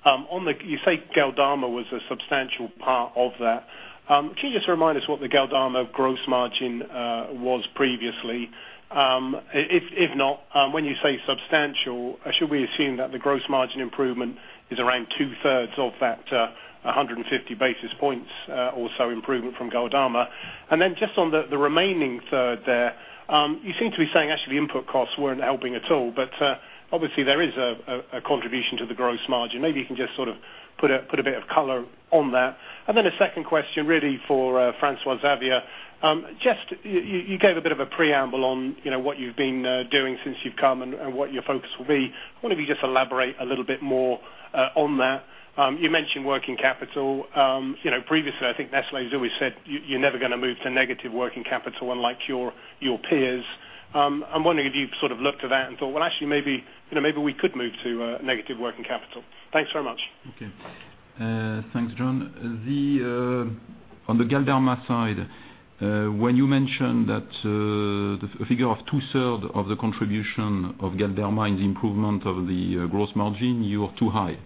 You say Galderma was a substantial part of that. Can you just remind us what the Galderma gross margin was previously? If not, when you say substantial, should we assume that the gross margin improvement is around two-thirds of that 150 basis points or so improvement from Galderma? Just on the remaining third there, you seem to be saying actually input costs weren't helping at all, but obviously there is a contribution to the gross margin. Maybe you can just sort of put a bit of color on that. A second question, really for François-Xavier. You gave a bit of a preamble on what you've been doing since you've come and what your focus will be. I wonder if you could just elaborate a little bit more on that. You mentioned working capital. Previously, I think Nestlé has always said you're never going to move to negative working capital unlike your peers. I'm wondering if you've sort of looked at that and thought, well, actually, maybe we could move to negative working capital. Thanks very much. Okay. Thanks, Jon. On the Galderma side, when you mention that the figure of two-third of the contribution of Galderma is improvement of the gross margin, you are too high.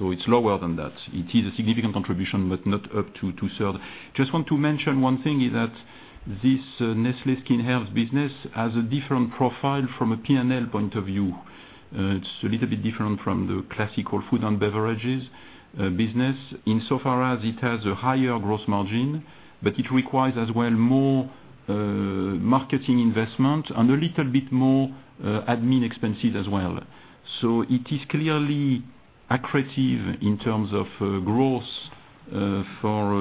It's lower than that. It is a significant contribution, but not up to two-third. Just want to mention one thing is that this Nestlé Skin Health business has a different profile from a P&L point of view. It's a little bit different from the classical food and beverages business in so far as it has a higher gross margin, but it requires as well more marketing investment and a little bit more admin expenses as well. It is clearly accretive in terms of growth for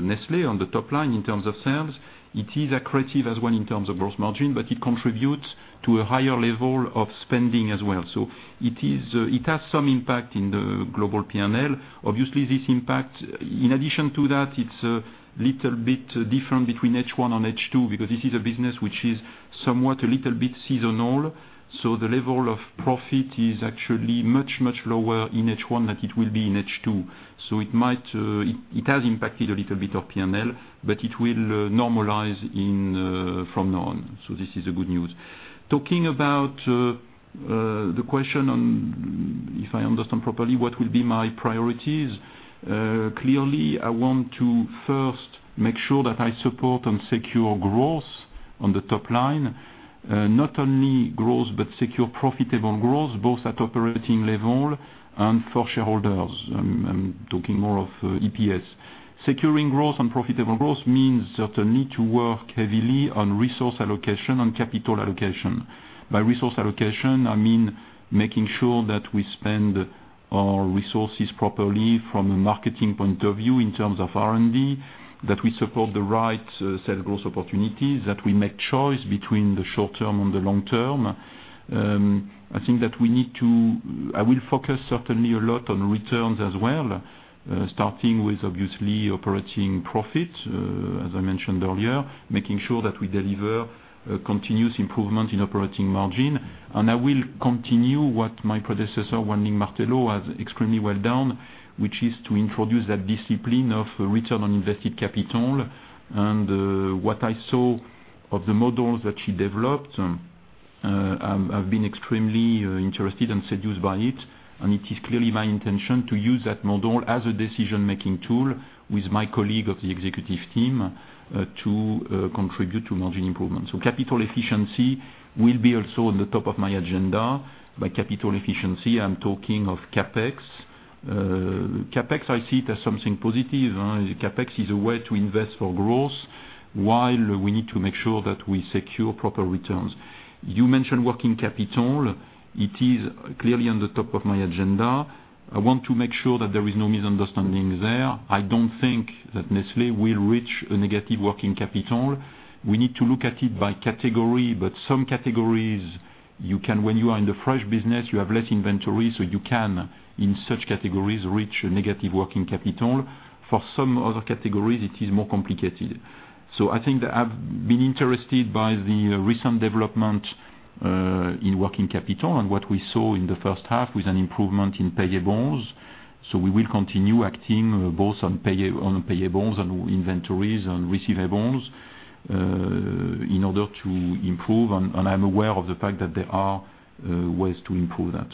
Nestlé on the top line in terms of sales. It is accretive as well in terms of gross margin, but it contributes to a higher level of spending as well. It has some impact in the global P&L. Obviously, this impact, in addition to that, it's a little bit different between H1 and H2 because this is a business which is somewhat a little bit seasonal. The level of profit is actually much lower in H1 than it will be in H2. It has impacted a little bit of P&L, but it will normalize from now on. This is a good news. Talking about the question on, if I understand properly, what will be my priorities? Clearly, I want to first make sure that I support and secure growth on the top line. Not only growth, but secure profitable growth, both at operating level and for shareholders. I'm talking more of EPS. Securing growth and profitable growth means certainly to work heavily on resource allocation and capital allocation. By resource allocation, I mean making sure that we spend our resources properly from a marketing point of view in terms of R&D, that we support the right sales growth opportunities, that we make choice between the short term and the long term. I think that I will focus certainly a lot on returns as well, starting with obviously operating profit, as I mentioned earlier, making sure that we deliver continuous improvement in operating margin. I will continue what my predecessor, Wan Ling Martello, has extremely well done, which is to introduce that discipline of return on invested capital. What I saw of the models that she developed, I've been extremely interested and seduced by it, and it is clearly my intention to use that model as a decision-making tool with my colleague of the executive team to contribute to margin improvement. Capital efficiency will be also on the top of my agenda. By capital efficiency, I'm talking of CapEx. CapEx, I see it as something positive. CapEx is a way to invest for growth while we need to make sure that we secure proper returns. You mentioned working capital. It is clearly on the top of my agenda. I want to make sure that there is no misunderstanding there. I don't think that Nestlé will reach a negative working capital. We need to look at it by category, but some categories, when you are in the fresh business, you have less inventory, so you can, in such categories, reach a negative working capital. For some other categories, it is more complicated. I think that I've been interested by the recent development in working capital and what we saw in the first half with an improvement in payables. We will continue acting both on payables and inventories and receivables in order to improve. I'm aware of the fact that there are ways to improve that.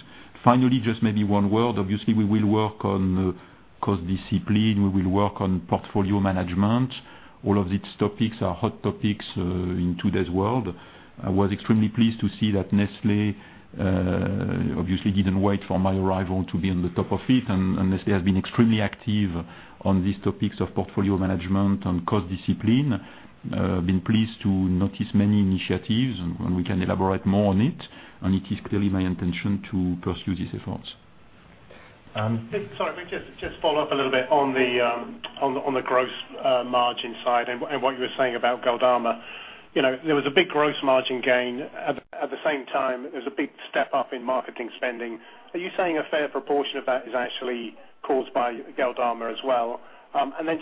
Finally, just maybe one word. Obviously, we will work on cost discipline. We will work on portfolio management. All of these topics are hot topics in today's world. I was extremely pleased to see that Nestlé obviously didn't wait for my arrival to be on the top of it. Nestlé has been extremely active on these topics of portfolio management and cost discipline. I've been pleased to notice many initiatives. We can elaborate more on it. It is clearly my intention to pursue these efforts. Sorry, can I just follow up a little bit on the gross margin side and what you were saying about Galderma? There was a big gross margin gain. At the same time, there was a big step up in marketing spending. Are you saying a fair proportion of that is actually caused by Galderma as well?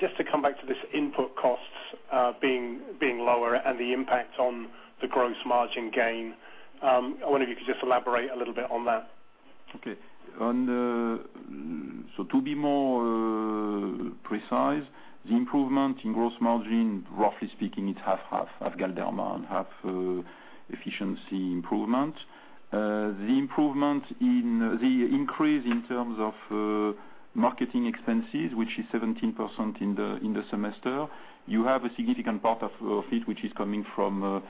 Just to come back to this input costs being lower and the impact on the gross margin gain, I wonder if you could just elaborate a little bit on that. Okay. To be more precise, the improvement in gross margin, roughly speaking, it's half Galderma and half efficiency improvement. The increase in terms of marketing expenses, which is 17% in the semester, you have a significant part of it, which is coming from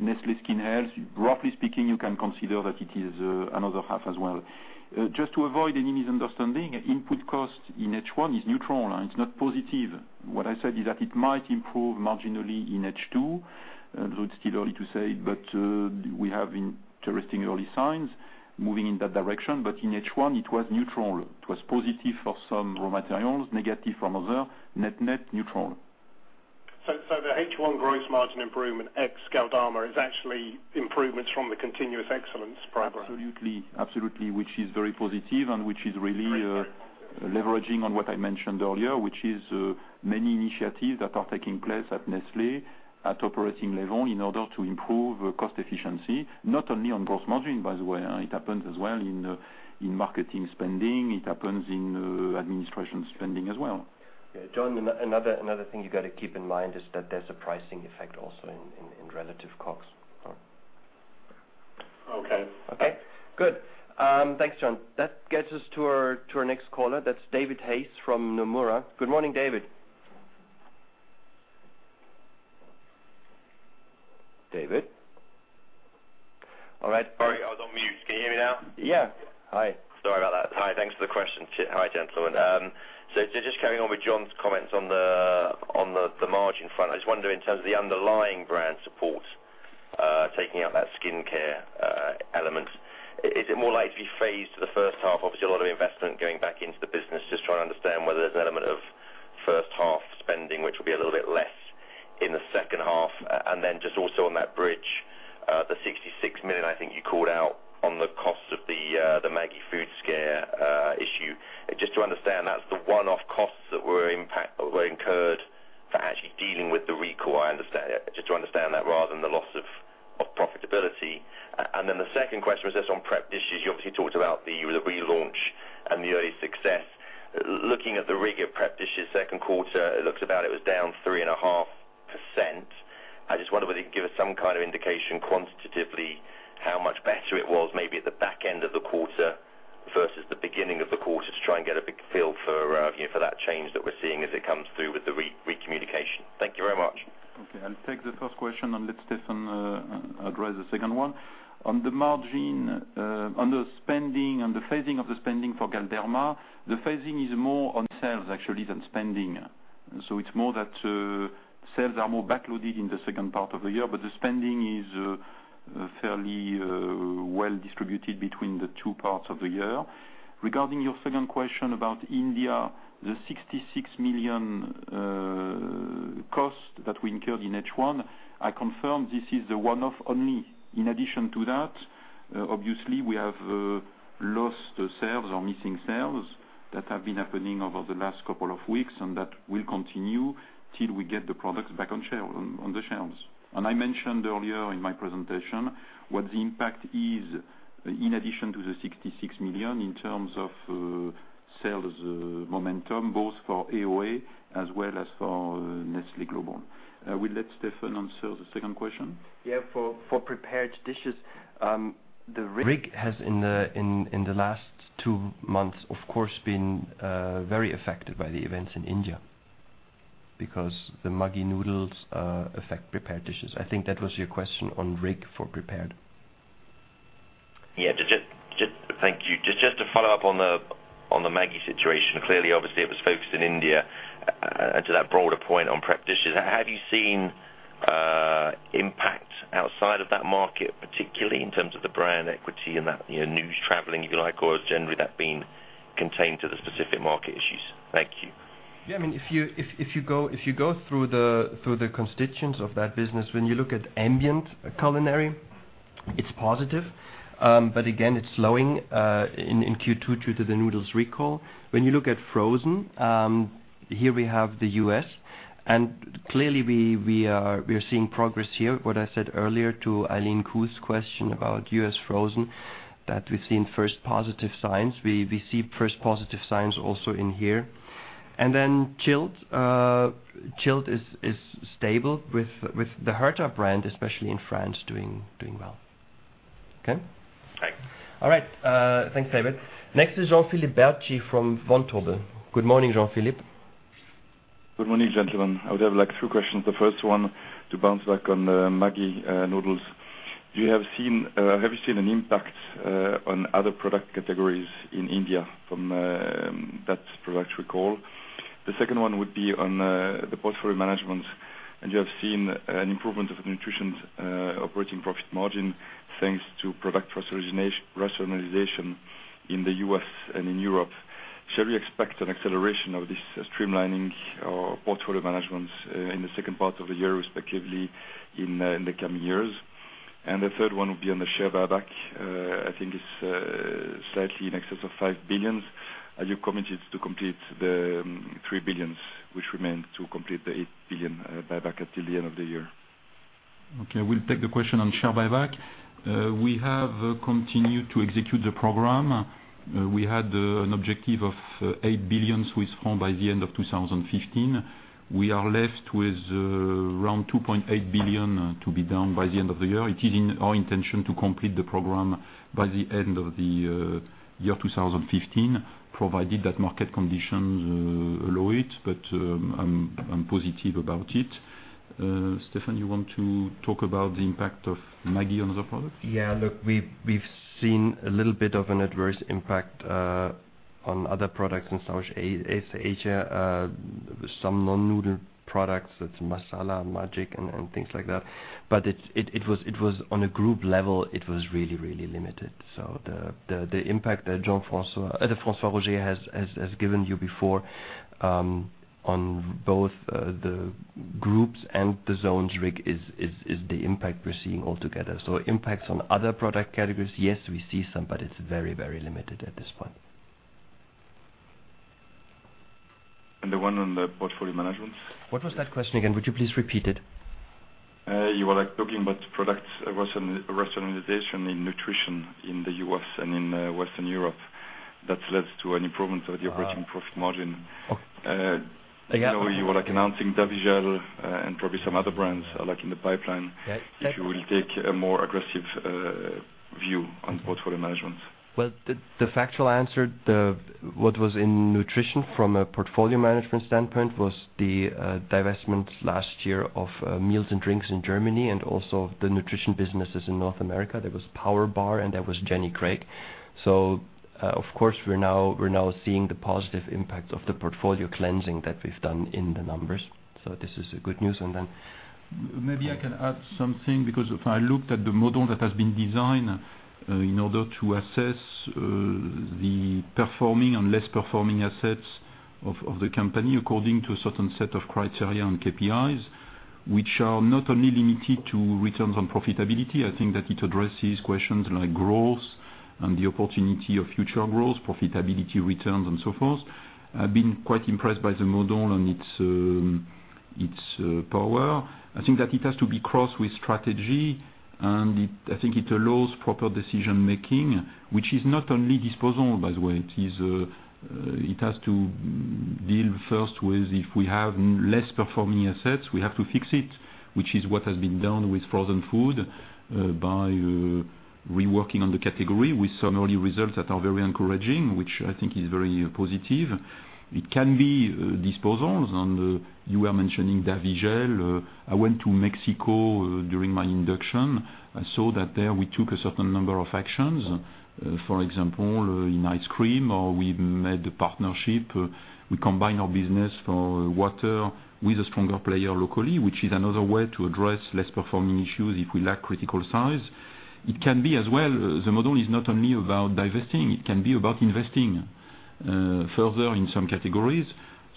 Nestlé Skin Health. Roughly speaking, you can consider that it is another half as well. Just to avoid any misunderstanding, input cost in H1 is neutral. It's not positive. What I said is that it might improve marginally in H2, although it's still early to say, but we have interesting early signs moving in that direction. In H1, it was neutral. It was positive for some raw materials, negative for others, net neutral. The H1 gross margin improvement ex Galderma is actually improvements from the Nestlé Continuous Excellence program? Absolutely. Which is very positive and which is really leveraging on what I mentioned earlier, which is many initiatives that are taking place at Nestlé at operating level in order to improve cost efficiency, not only on gross margin, by the way. It happens as well in marketing spending. It happens in administration spending as well. Jon, another thing you got to keep in mind is that there's a pricing effect also in relative COGS. Okay. Good. Thanks, Jon. That gets us to our next caller. That's David Hayes from Nomura. Good morning, David. David? All right. Sorry, I was on mute. Can you hear me now? Yeah. Hi. Sorry about that. Hi, thanks for the question. Hi, gentlemen. Just carrying on with Jon's comments on the margin front, I just wonder in terms of the underlying brand support, taking out that skin care element, is it more likely to be phased to the first half? Obviously, a lot of investment going back into the business. Just trying to understand whether there's an element of first half spending, which will be a little bit less in the second half. Just also on that bridge, the 66 million I think you called out on the cost of the Maggi food scare issue. Just to understand, that's the one-off costs that were incurred for actually dealing with the recall, rather than the loss of profitability. The second question was just on prep dishes. You obviously talked about the relaunch and the early success. Looking at the RIG for prep dishes second quarter, it looks about it was down 3.5%. I just wonder whether you can give us some kind of indication quantitatively how much better it was maybe at the back end of the quarter versus the beginning of the quarter to try and get a feel for that change that we're seeing as it comes through with the recommunication. Thank you very much. I'll take the first question, and let Stefan address the second one. On the margin, on the spending, on the phasing of the spending for Galderma, the phasing is more on sales actually than spending. It's more that sales are more backloaded in the second part of the year, but the spending is fairly well distributed between the two parts of the year. Regarding your second question about India, the 66 million cost that we incurred in H1, I confirm this is the one-off only. In addition to that, obviously, we have lost sales or missing sales that have been happening over the last couple of weeks, and that will continue till we get the products back on the shelves. I mentioned earlier in my presentation what the impact is in addition to the 66 million in terms of sales momentum, both for AOA as well as for Nestlé. I will let Stefan answer the second question. For prepared dishes, the RIG has in the last two months, of course, been very affected by the events in India because the Maggi noodles affect prepared dishes. I think that was your question on RIG for prepared. Thank you. Just to follow up on the Maggi situation, clearly, obviously it was focused in India. To that broader point on prepared dishes, have you seen impact outside of that market, particularly in terms of the brand equity and that news traveling, if you like, or has generally that been contained to the specific market issues? Thank you. Yeah. If you go through the constituents of that business, when you look at ambient culinary, it's positive. Again, it's slowing in Q2 due to the noodles recall. When you look at frozen, here we have the U.S., and clearly we are seeing progress here. What I said earlier to Eileen Khoo's question about U.S. frozen, that we've seen first positive signs. We see first positive signs also in here. Then chilled. Chilled is stable with the Herta brand, especially in France, doing well. Okay? Thanks. All right. Thanks, David. Next is Jean-Philippe Bertschy from Vontobel. Good morning, Jean-Philippe. Good morning, gentlemen. I would have three questions. The first one to bounce back on Maggi noodles. Have you seen an impact on other product categories in India from that product recall? The second one would be on the portfolio management. You have seen an improvement of Nutrition's operating profit margin, thanks to product rationalization in the U.S. and in Europe. Shall we expect an acceleration of this streamlining or portfolio management in the second part of the year, respectively, in the coming years? The third one will be on the share buyback. I think it's slightly in excess of 5 billion. Are you committed to complete the 3 billion which remain to complete the 8 billion buyback until the end of the year? Okay. We'll take the question on share buyback. We have continued to execute the program. We had an objective of 8 billion Swiss francs by the end of 2015. We are left with around 2.8 billion CHF to be done by the end of the year. It is our intention to complete the program by the end of the year 2015, provided that market conditions allow it, but I'm positive about it. Stefan, you want to talk about the impact of Maggi on the product? Yeah. Look, we've seen a little bit of an adverse impact on other products in South Asia, some non-noodle products, that's Maggi Masala-ae-Magic and things like that. On a group level, it was really limited. The impact that François Roger has given you before, on both the groups and the zones RIG is the impact we're seeing altogether. Impacts on other product categories, yes, we see some, but it's very limited at this point. The one on the portfolio management? What was that question again? Would you please repeat it? You were talking about product rationalization in nutrition in the U.S. and in Western Europe that's led to an improvement of the operating profit margin. Okay. You were announcing Davigel and probably some other brands are in the pipeline. Right. You will take a more aggressive view on portfolio management. Well, the factual answer, what was in nutrition from a portfolio management standpoint was the divestment last year of meals and drinks in Germany and also the nutrition businesses in North America. There was PowerBar, and there was Jenny Craig. Of course, we're now seeing the positive impact of the portfolio cleansing that we've done in the numbers. This is good news. Maybe I can add something, if I looked at the model that has been designed in order to assess the performing and less performing assets of the company according to a certain set of criteria and KPIs, which are not only limited to returns on profitability. I think that it addresses questions like growth and the opportunity of future growth, profitability returns and so forth. I've been quite impressed by the model and its power. I think that it has to be crossed with strategy, it allows proper decision making, which is not only disposal, by the way. It has to deal first with, if we have less performing assets, we have to fix it, which is what has been done with frozen food, by reworking on the category with some early results that are very encouraging, which I think is very positive. You were mentioning Davigel. I went to Mexico during my induction. I saw that there, we took a certain number of actions. For example, in ice cream, or we made a partnership. We combine our business for water with a stronger player locally, which is another way to address less performing issues if we lack critical size. The model is not only about divesting, it can be about investing further in some categories.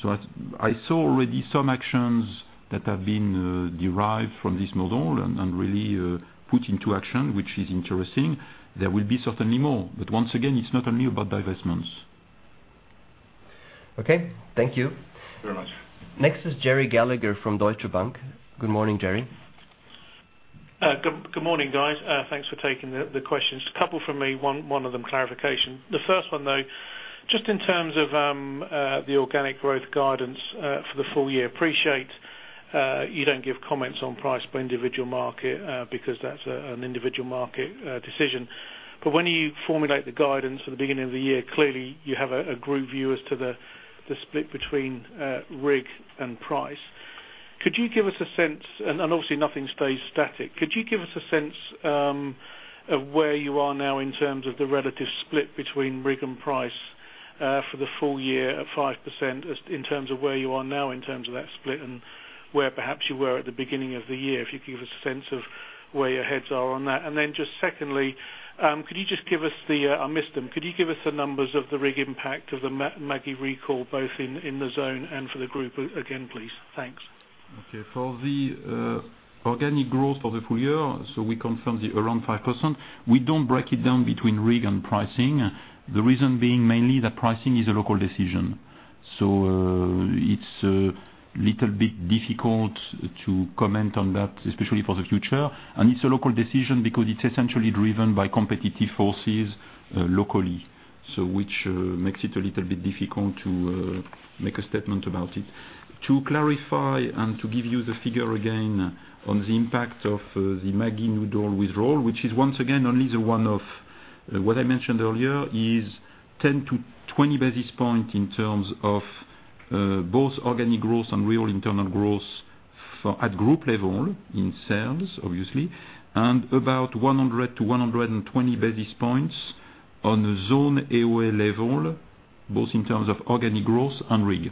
I saw already some actions that have been derived from this model and really put into action, which is interesting. There will be certainly more, once again, it's not only about divestments. Okay. Thank you. Very much. Next is Gerry Gallagher from Deutsche Bank. Good morning, Gerry. Good morning, guys. Thanks for taking the questions. A couple from me, one of them clarification. The first one, just in terms of the organic growth guidance for the full year. Appreciate you don't give comments on price by individual market, because that's an individual market decision. When you formulate the guidance at the beginning of the year, clearly you have a group view as to the split between RIG and price. Could you give us a sense, obviously nothing stays static. Could you give us a sense of where you are now in terms of the relative split between RIG and price, for the full year at 5%, in terms of where you are now in terms of that split and where perhaps you were at the beginning of the year? If you could give us a sense of where your heads are on that. Then just secondly, could you just give us the, I missed them. Could you give us the numbers of the RIG impact of the Maggi recall, both in the zone and for the group again, please? Thanks. Okay. For the organic growth for the full year, we confirm the around 5%. We don't break it down between RIG and pricing. The reason being mainly that pricing is a local decision. It's a little bit difficult to comment on that, especially for the future. It's a local decision because it's essentially driven by competitive forces locally. Which makes it a little bit difficult to make a statement about it. To clarify and to give you the figure again on the impact of the Maggi noodle withdrawal, which is once again, only the one of what I mentioned earlier, is 10 to 20 basis points in terms of both organic growth and real internal growth at group level in sales, obviously, and about 100 to 120 basis points on the Zone AOA level, both in terms of organic growth and RIG.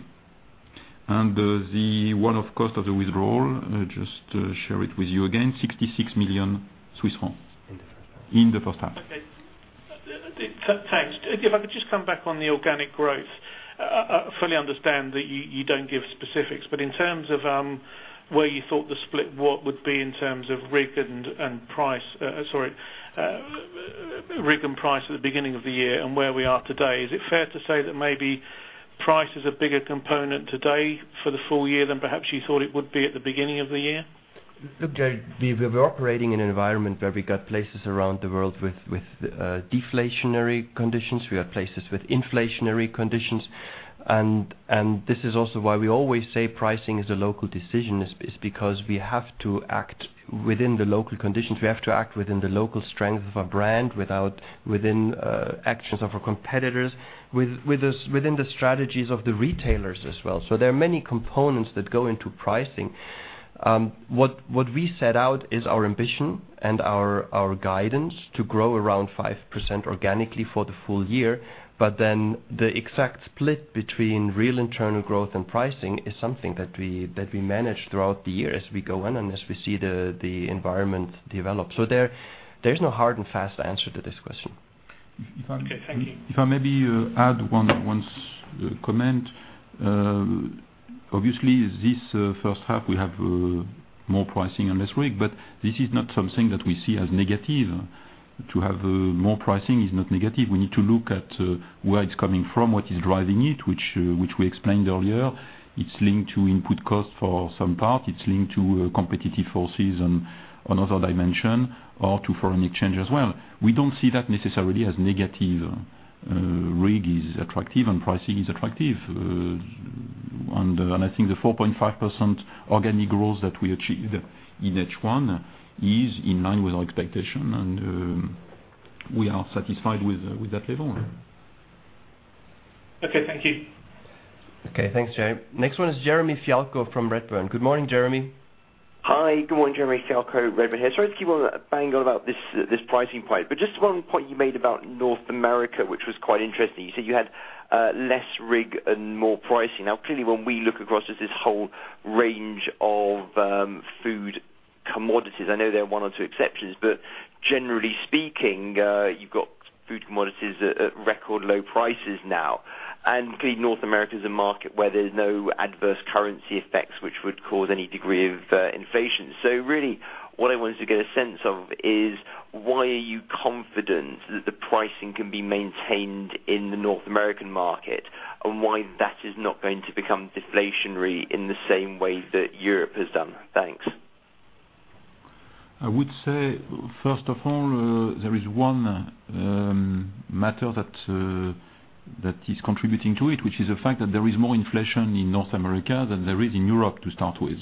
The one-off cost of the withdrawal, just to share it with you again, 66 million Swiss francs. In the first half. In the first half. Okay. Thanks. I could just come back on the organic growth. I fully understand that you don't give specifics, in terms of where you thought the split would be in terms of RIG and price at the beginning of the year and where we are today, is it fair to say that maybe price is a bigger component today for the full year than perhaps you thought it would be at the beginning of the year? Look, Gerry, we were operating in an environment where we got places around the world with deflationary conditions. We have places with inflationary conditions. This is also why we always say pricing is a local decision, is because we have to act within the local conditions. We have to act within the local strength of our brand, within actions of our competitors, within the strategies of the retailers as well. There are many components that go into pricing. What we set out is our ambition and our guidance to grow around 5% organically for the full year. The exact split between real internal growth and pricing is something that we manage throughout the year as we go in and as we see the environment develop. There's no hard and fast answer to this question. Okay, thank you. If I maybe add one comment. Obviously, this H1, we have more pricing and less RIG, but this is not something that we see as negative. To have more pricing is not negative. We need to look at where it's coming from, what is driving it, which we explained earlier. It's linked to input costs for some part. It's linked to competitive forces on another dimension or to foreign exchange as well. We don't see that necessarily as negative. RIG is attractive and pricing is attractive. I think the 4.5% organic growth that we achieved in H1 is in line with our expectation, and we are satisfied with that level. Okay, thank you. Okay, thanks, Gerry. Next one is Jeremy Fialko from Redburn. Good morning, Jeremy. Hi, good morning. Jeremy Fialko, Redburn here. Sorry to keep on banging about this pricing point, just one point you made about North America, which was quite interesting. You said you had less RIG and more pricing. Clearly, when we look across just this whole range of food commodities, I know there are one or two exceptions, but generally speaking, you've got food commodities at record low prices now. Clearly North America's a market where there's no adverse currency effects, which would cause any degree of inflation. Really what I wanted to get a sense of is why are you confident that the pricing can be maintained in the North American market, and why that is not going to become deflationary in the same way that Europe has done? Thanks. I would say, first of all, there is one matter that is contributing to it, which is the fact that there is more inflation in North America than there is in Europe to start with,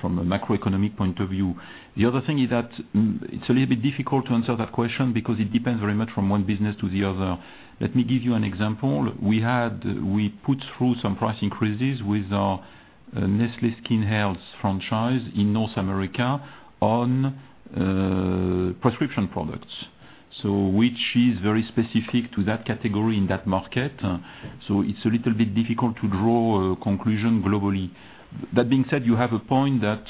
from a macroeconomic point of view. The other thing is that it's a little bit difficult to answer that question because it depends very much from one business to the other. Let me give you an example. We put through some price increases with our Nestlé Skin Health franchise in North America on prescription products. Which is very specific to that category in that market. It's a little bit difficult to draw a conclusion globally. That being said, you have a point that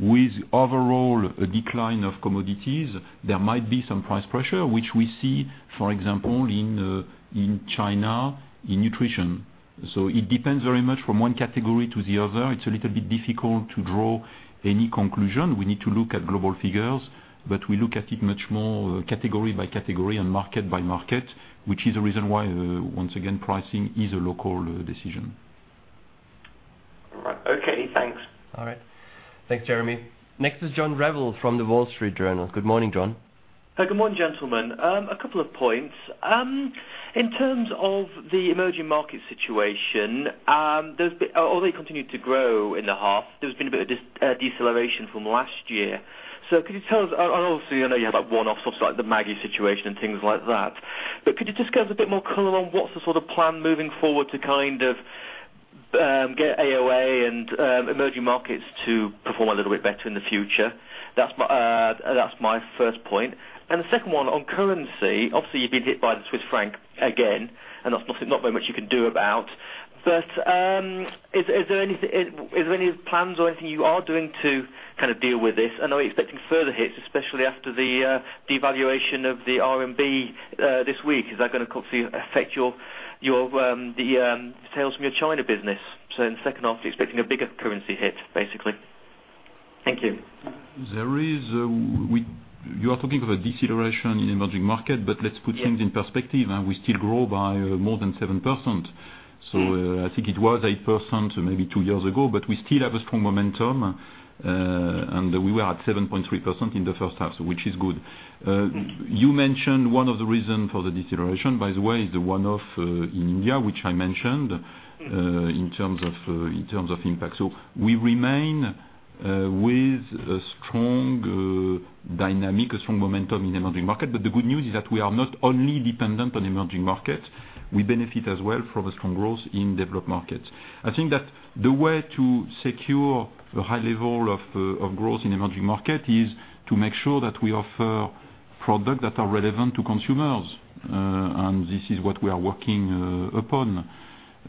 with overall a decline of commodities, there might be some price pressure, which we see, for example, in China, in nutrition. It depends very much from one category to the other. It's a little bit difficult to draw any conclusion. We need to look at global figures, but we look at it much more category by category and market by market, which is the reason why, once again, pricing is a local decision. Right. Okay, thanks. All right. Thanks, Jeremy. Next is John Revill from The Wall Street Journal. Good morning, John. Good morning, gentlemen. A couple of points. In terms of the emerging market situation, although you continued to grow in the half, there's been a bit of deceleration from last year. Could you tell us, and obviously I know you have that one-off, sort of like the Maggi situation and things like that, but could you just give us a bit more color on what's the sort of plan moving forward to kind of get AOA and emerging markets to perform a little bit better in the future? That's my first point. The second one on currency, obviously, you've been hit by the Swiss franc again, and that's not very much you can do about. Is there any plans or anything you are doing to kind of deal with this? Are we expecting further hits, especially after the devaluation of the RMB this week? Is that going to obviously affect the sales from your China business? In the second half, are you expecting a bigger currency hit, basically? Thank you. You are talking of a deceleration in emerging market, let's put things in perspective. Yes. We still grow by more than 7%. I think it was 8% maybe two years ago, but we still have a strong momentum, and we were at 7.3% in the first half, which is good. You mentioned one of the reason for the deceleration, by the way, is the one-off in India, which I mentioned, in terms of impact. We remain with a strong dynamic, a strong momentum in emerging market. The good news is that we are not only dependent on emerging markets. We benefit as well from a strong growth in developed markets. I think that the way to secure a high level of growth in emerging market is to make sure that we offer product that are relevant to consumers. This is what we are working upon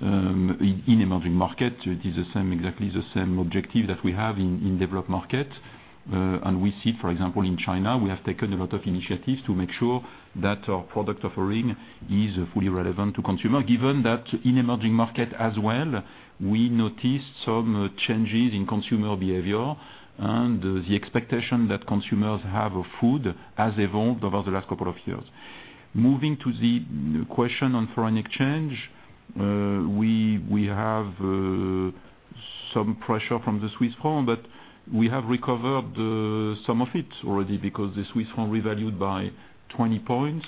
in emerging market. It is exactly the same objective that we have in developed market. We see, for example, in China, we have taken a lot of initiatives to make sure that our product offering is fully relevant to consumer. Given that in emerging market as well, we noticed some changes in consumer behavior, and the expectation that consumers have of food has evolved over the last couple of years. Moving to the question on foreign exchange, we have some pressure from the Swiss franc, but we have recovered some of it already because the Swiss franc revalued by 20 points.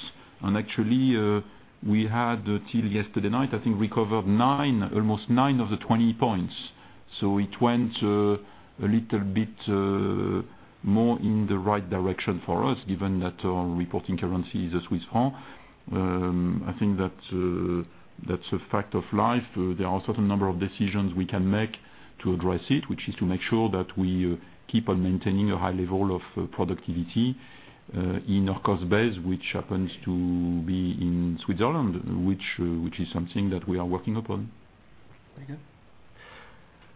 Actually, we had till yesterday night, I think recovered nine, almost nine of the 20 points. It went a little bit more in the right direction for us, given that our reporting currency is a Swiss franc. I think that's a fact of life. There are certain number of decisions we can make to address it, which is to make sure that we keep on maintaining a high level of productivity in our cost base, which happens to be in Switzerland, which is something that we are working upon. Very good.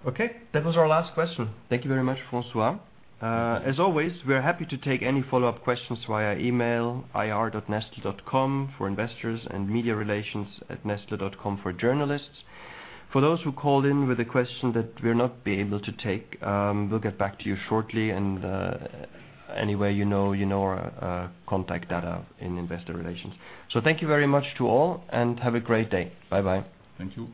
Okay. That was our last question. Thank you very much, François. As always, we are happy to take any follow-up questions via email, ir.nestle.com for investors and mediarelations@nestle.com for journalists. For those who called in with a question that we'll not be able to take, we'll get back to you shortly. Anyway, you know our contact data in investor relations. Thank you very much to all, and have a great day. Bye-bye. Thank you.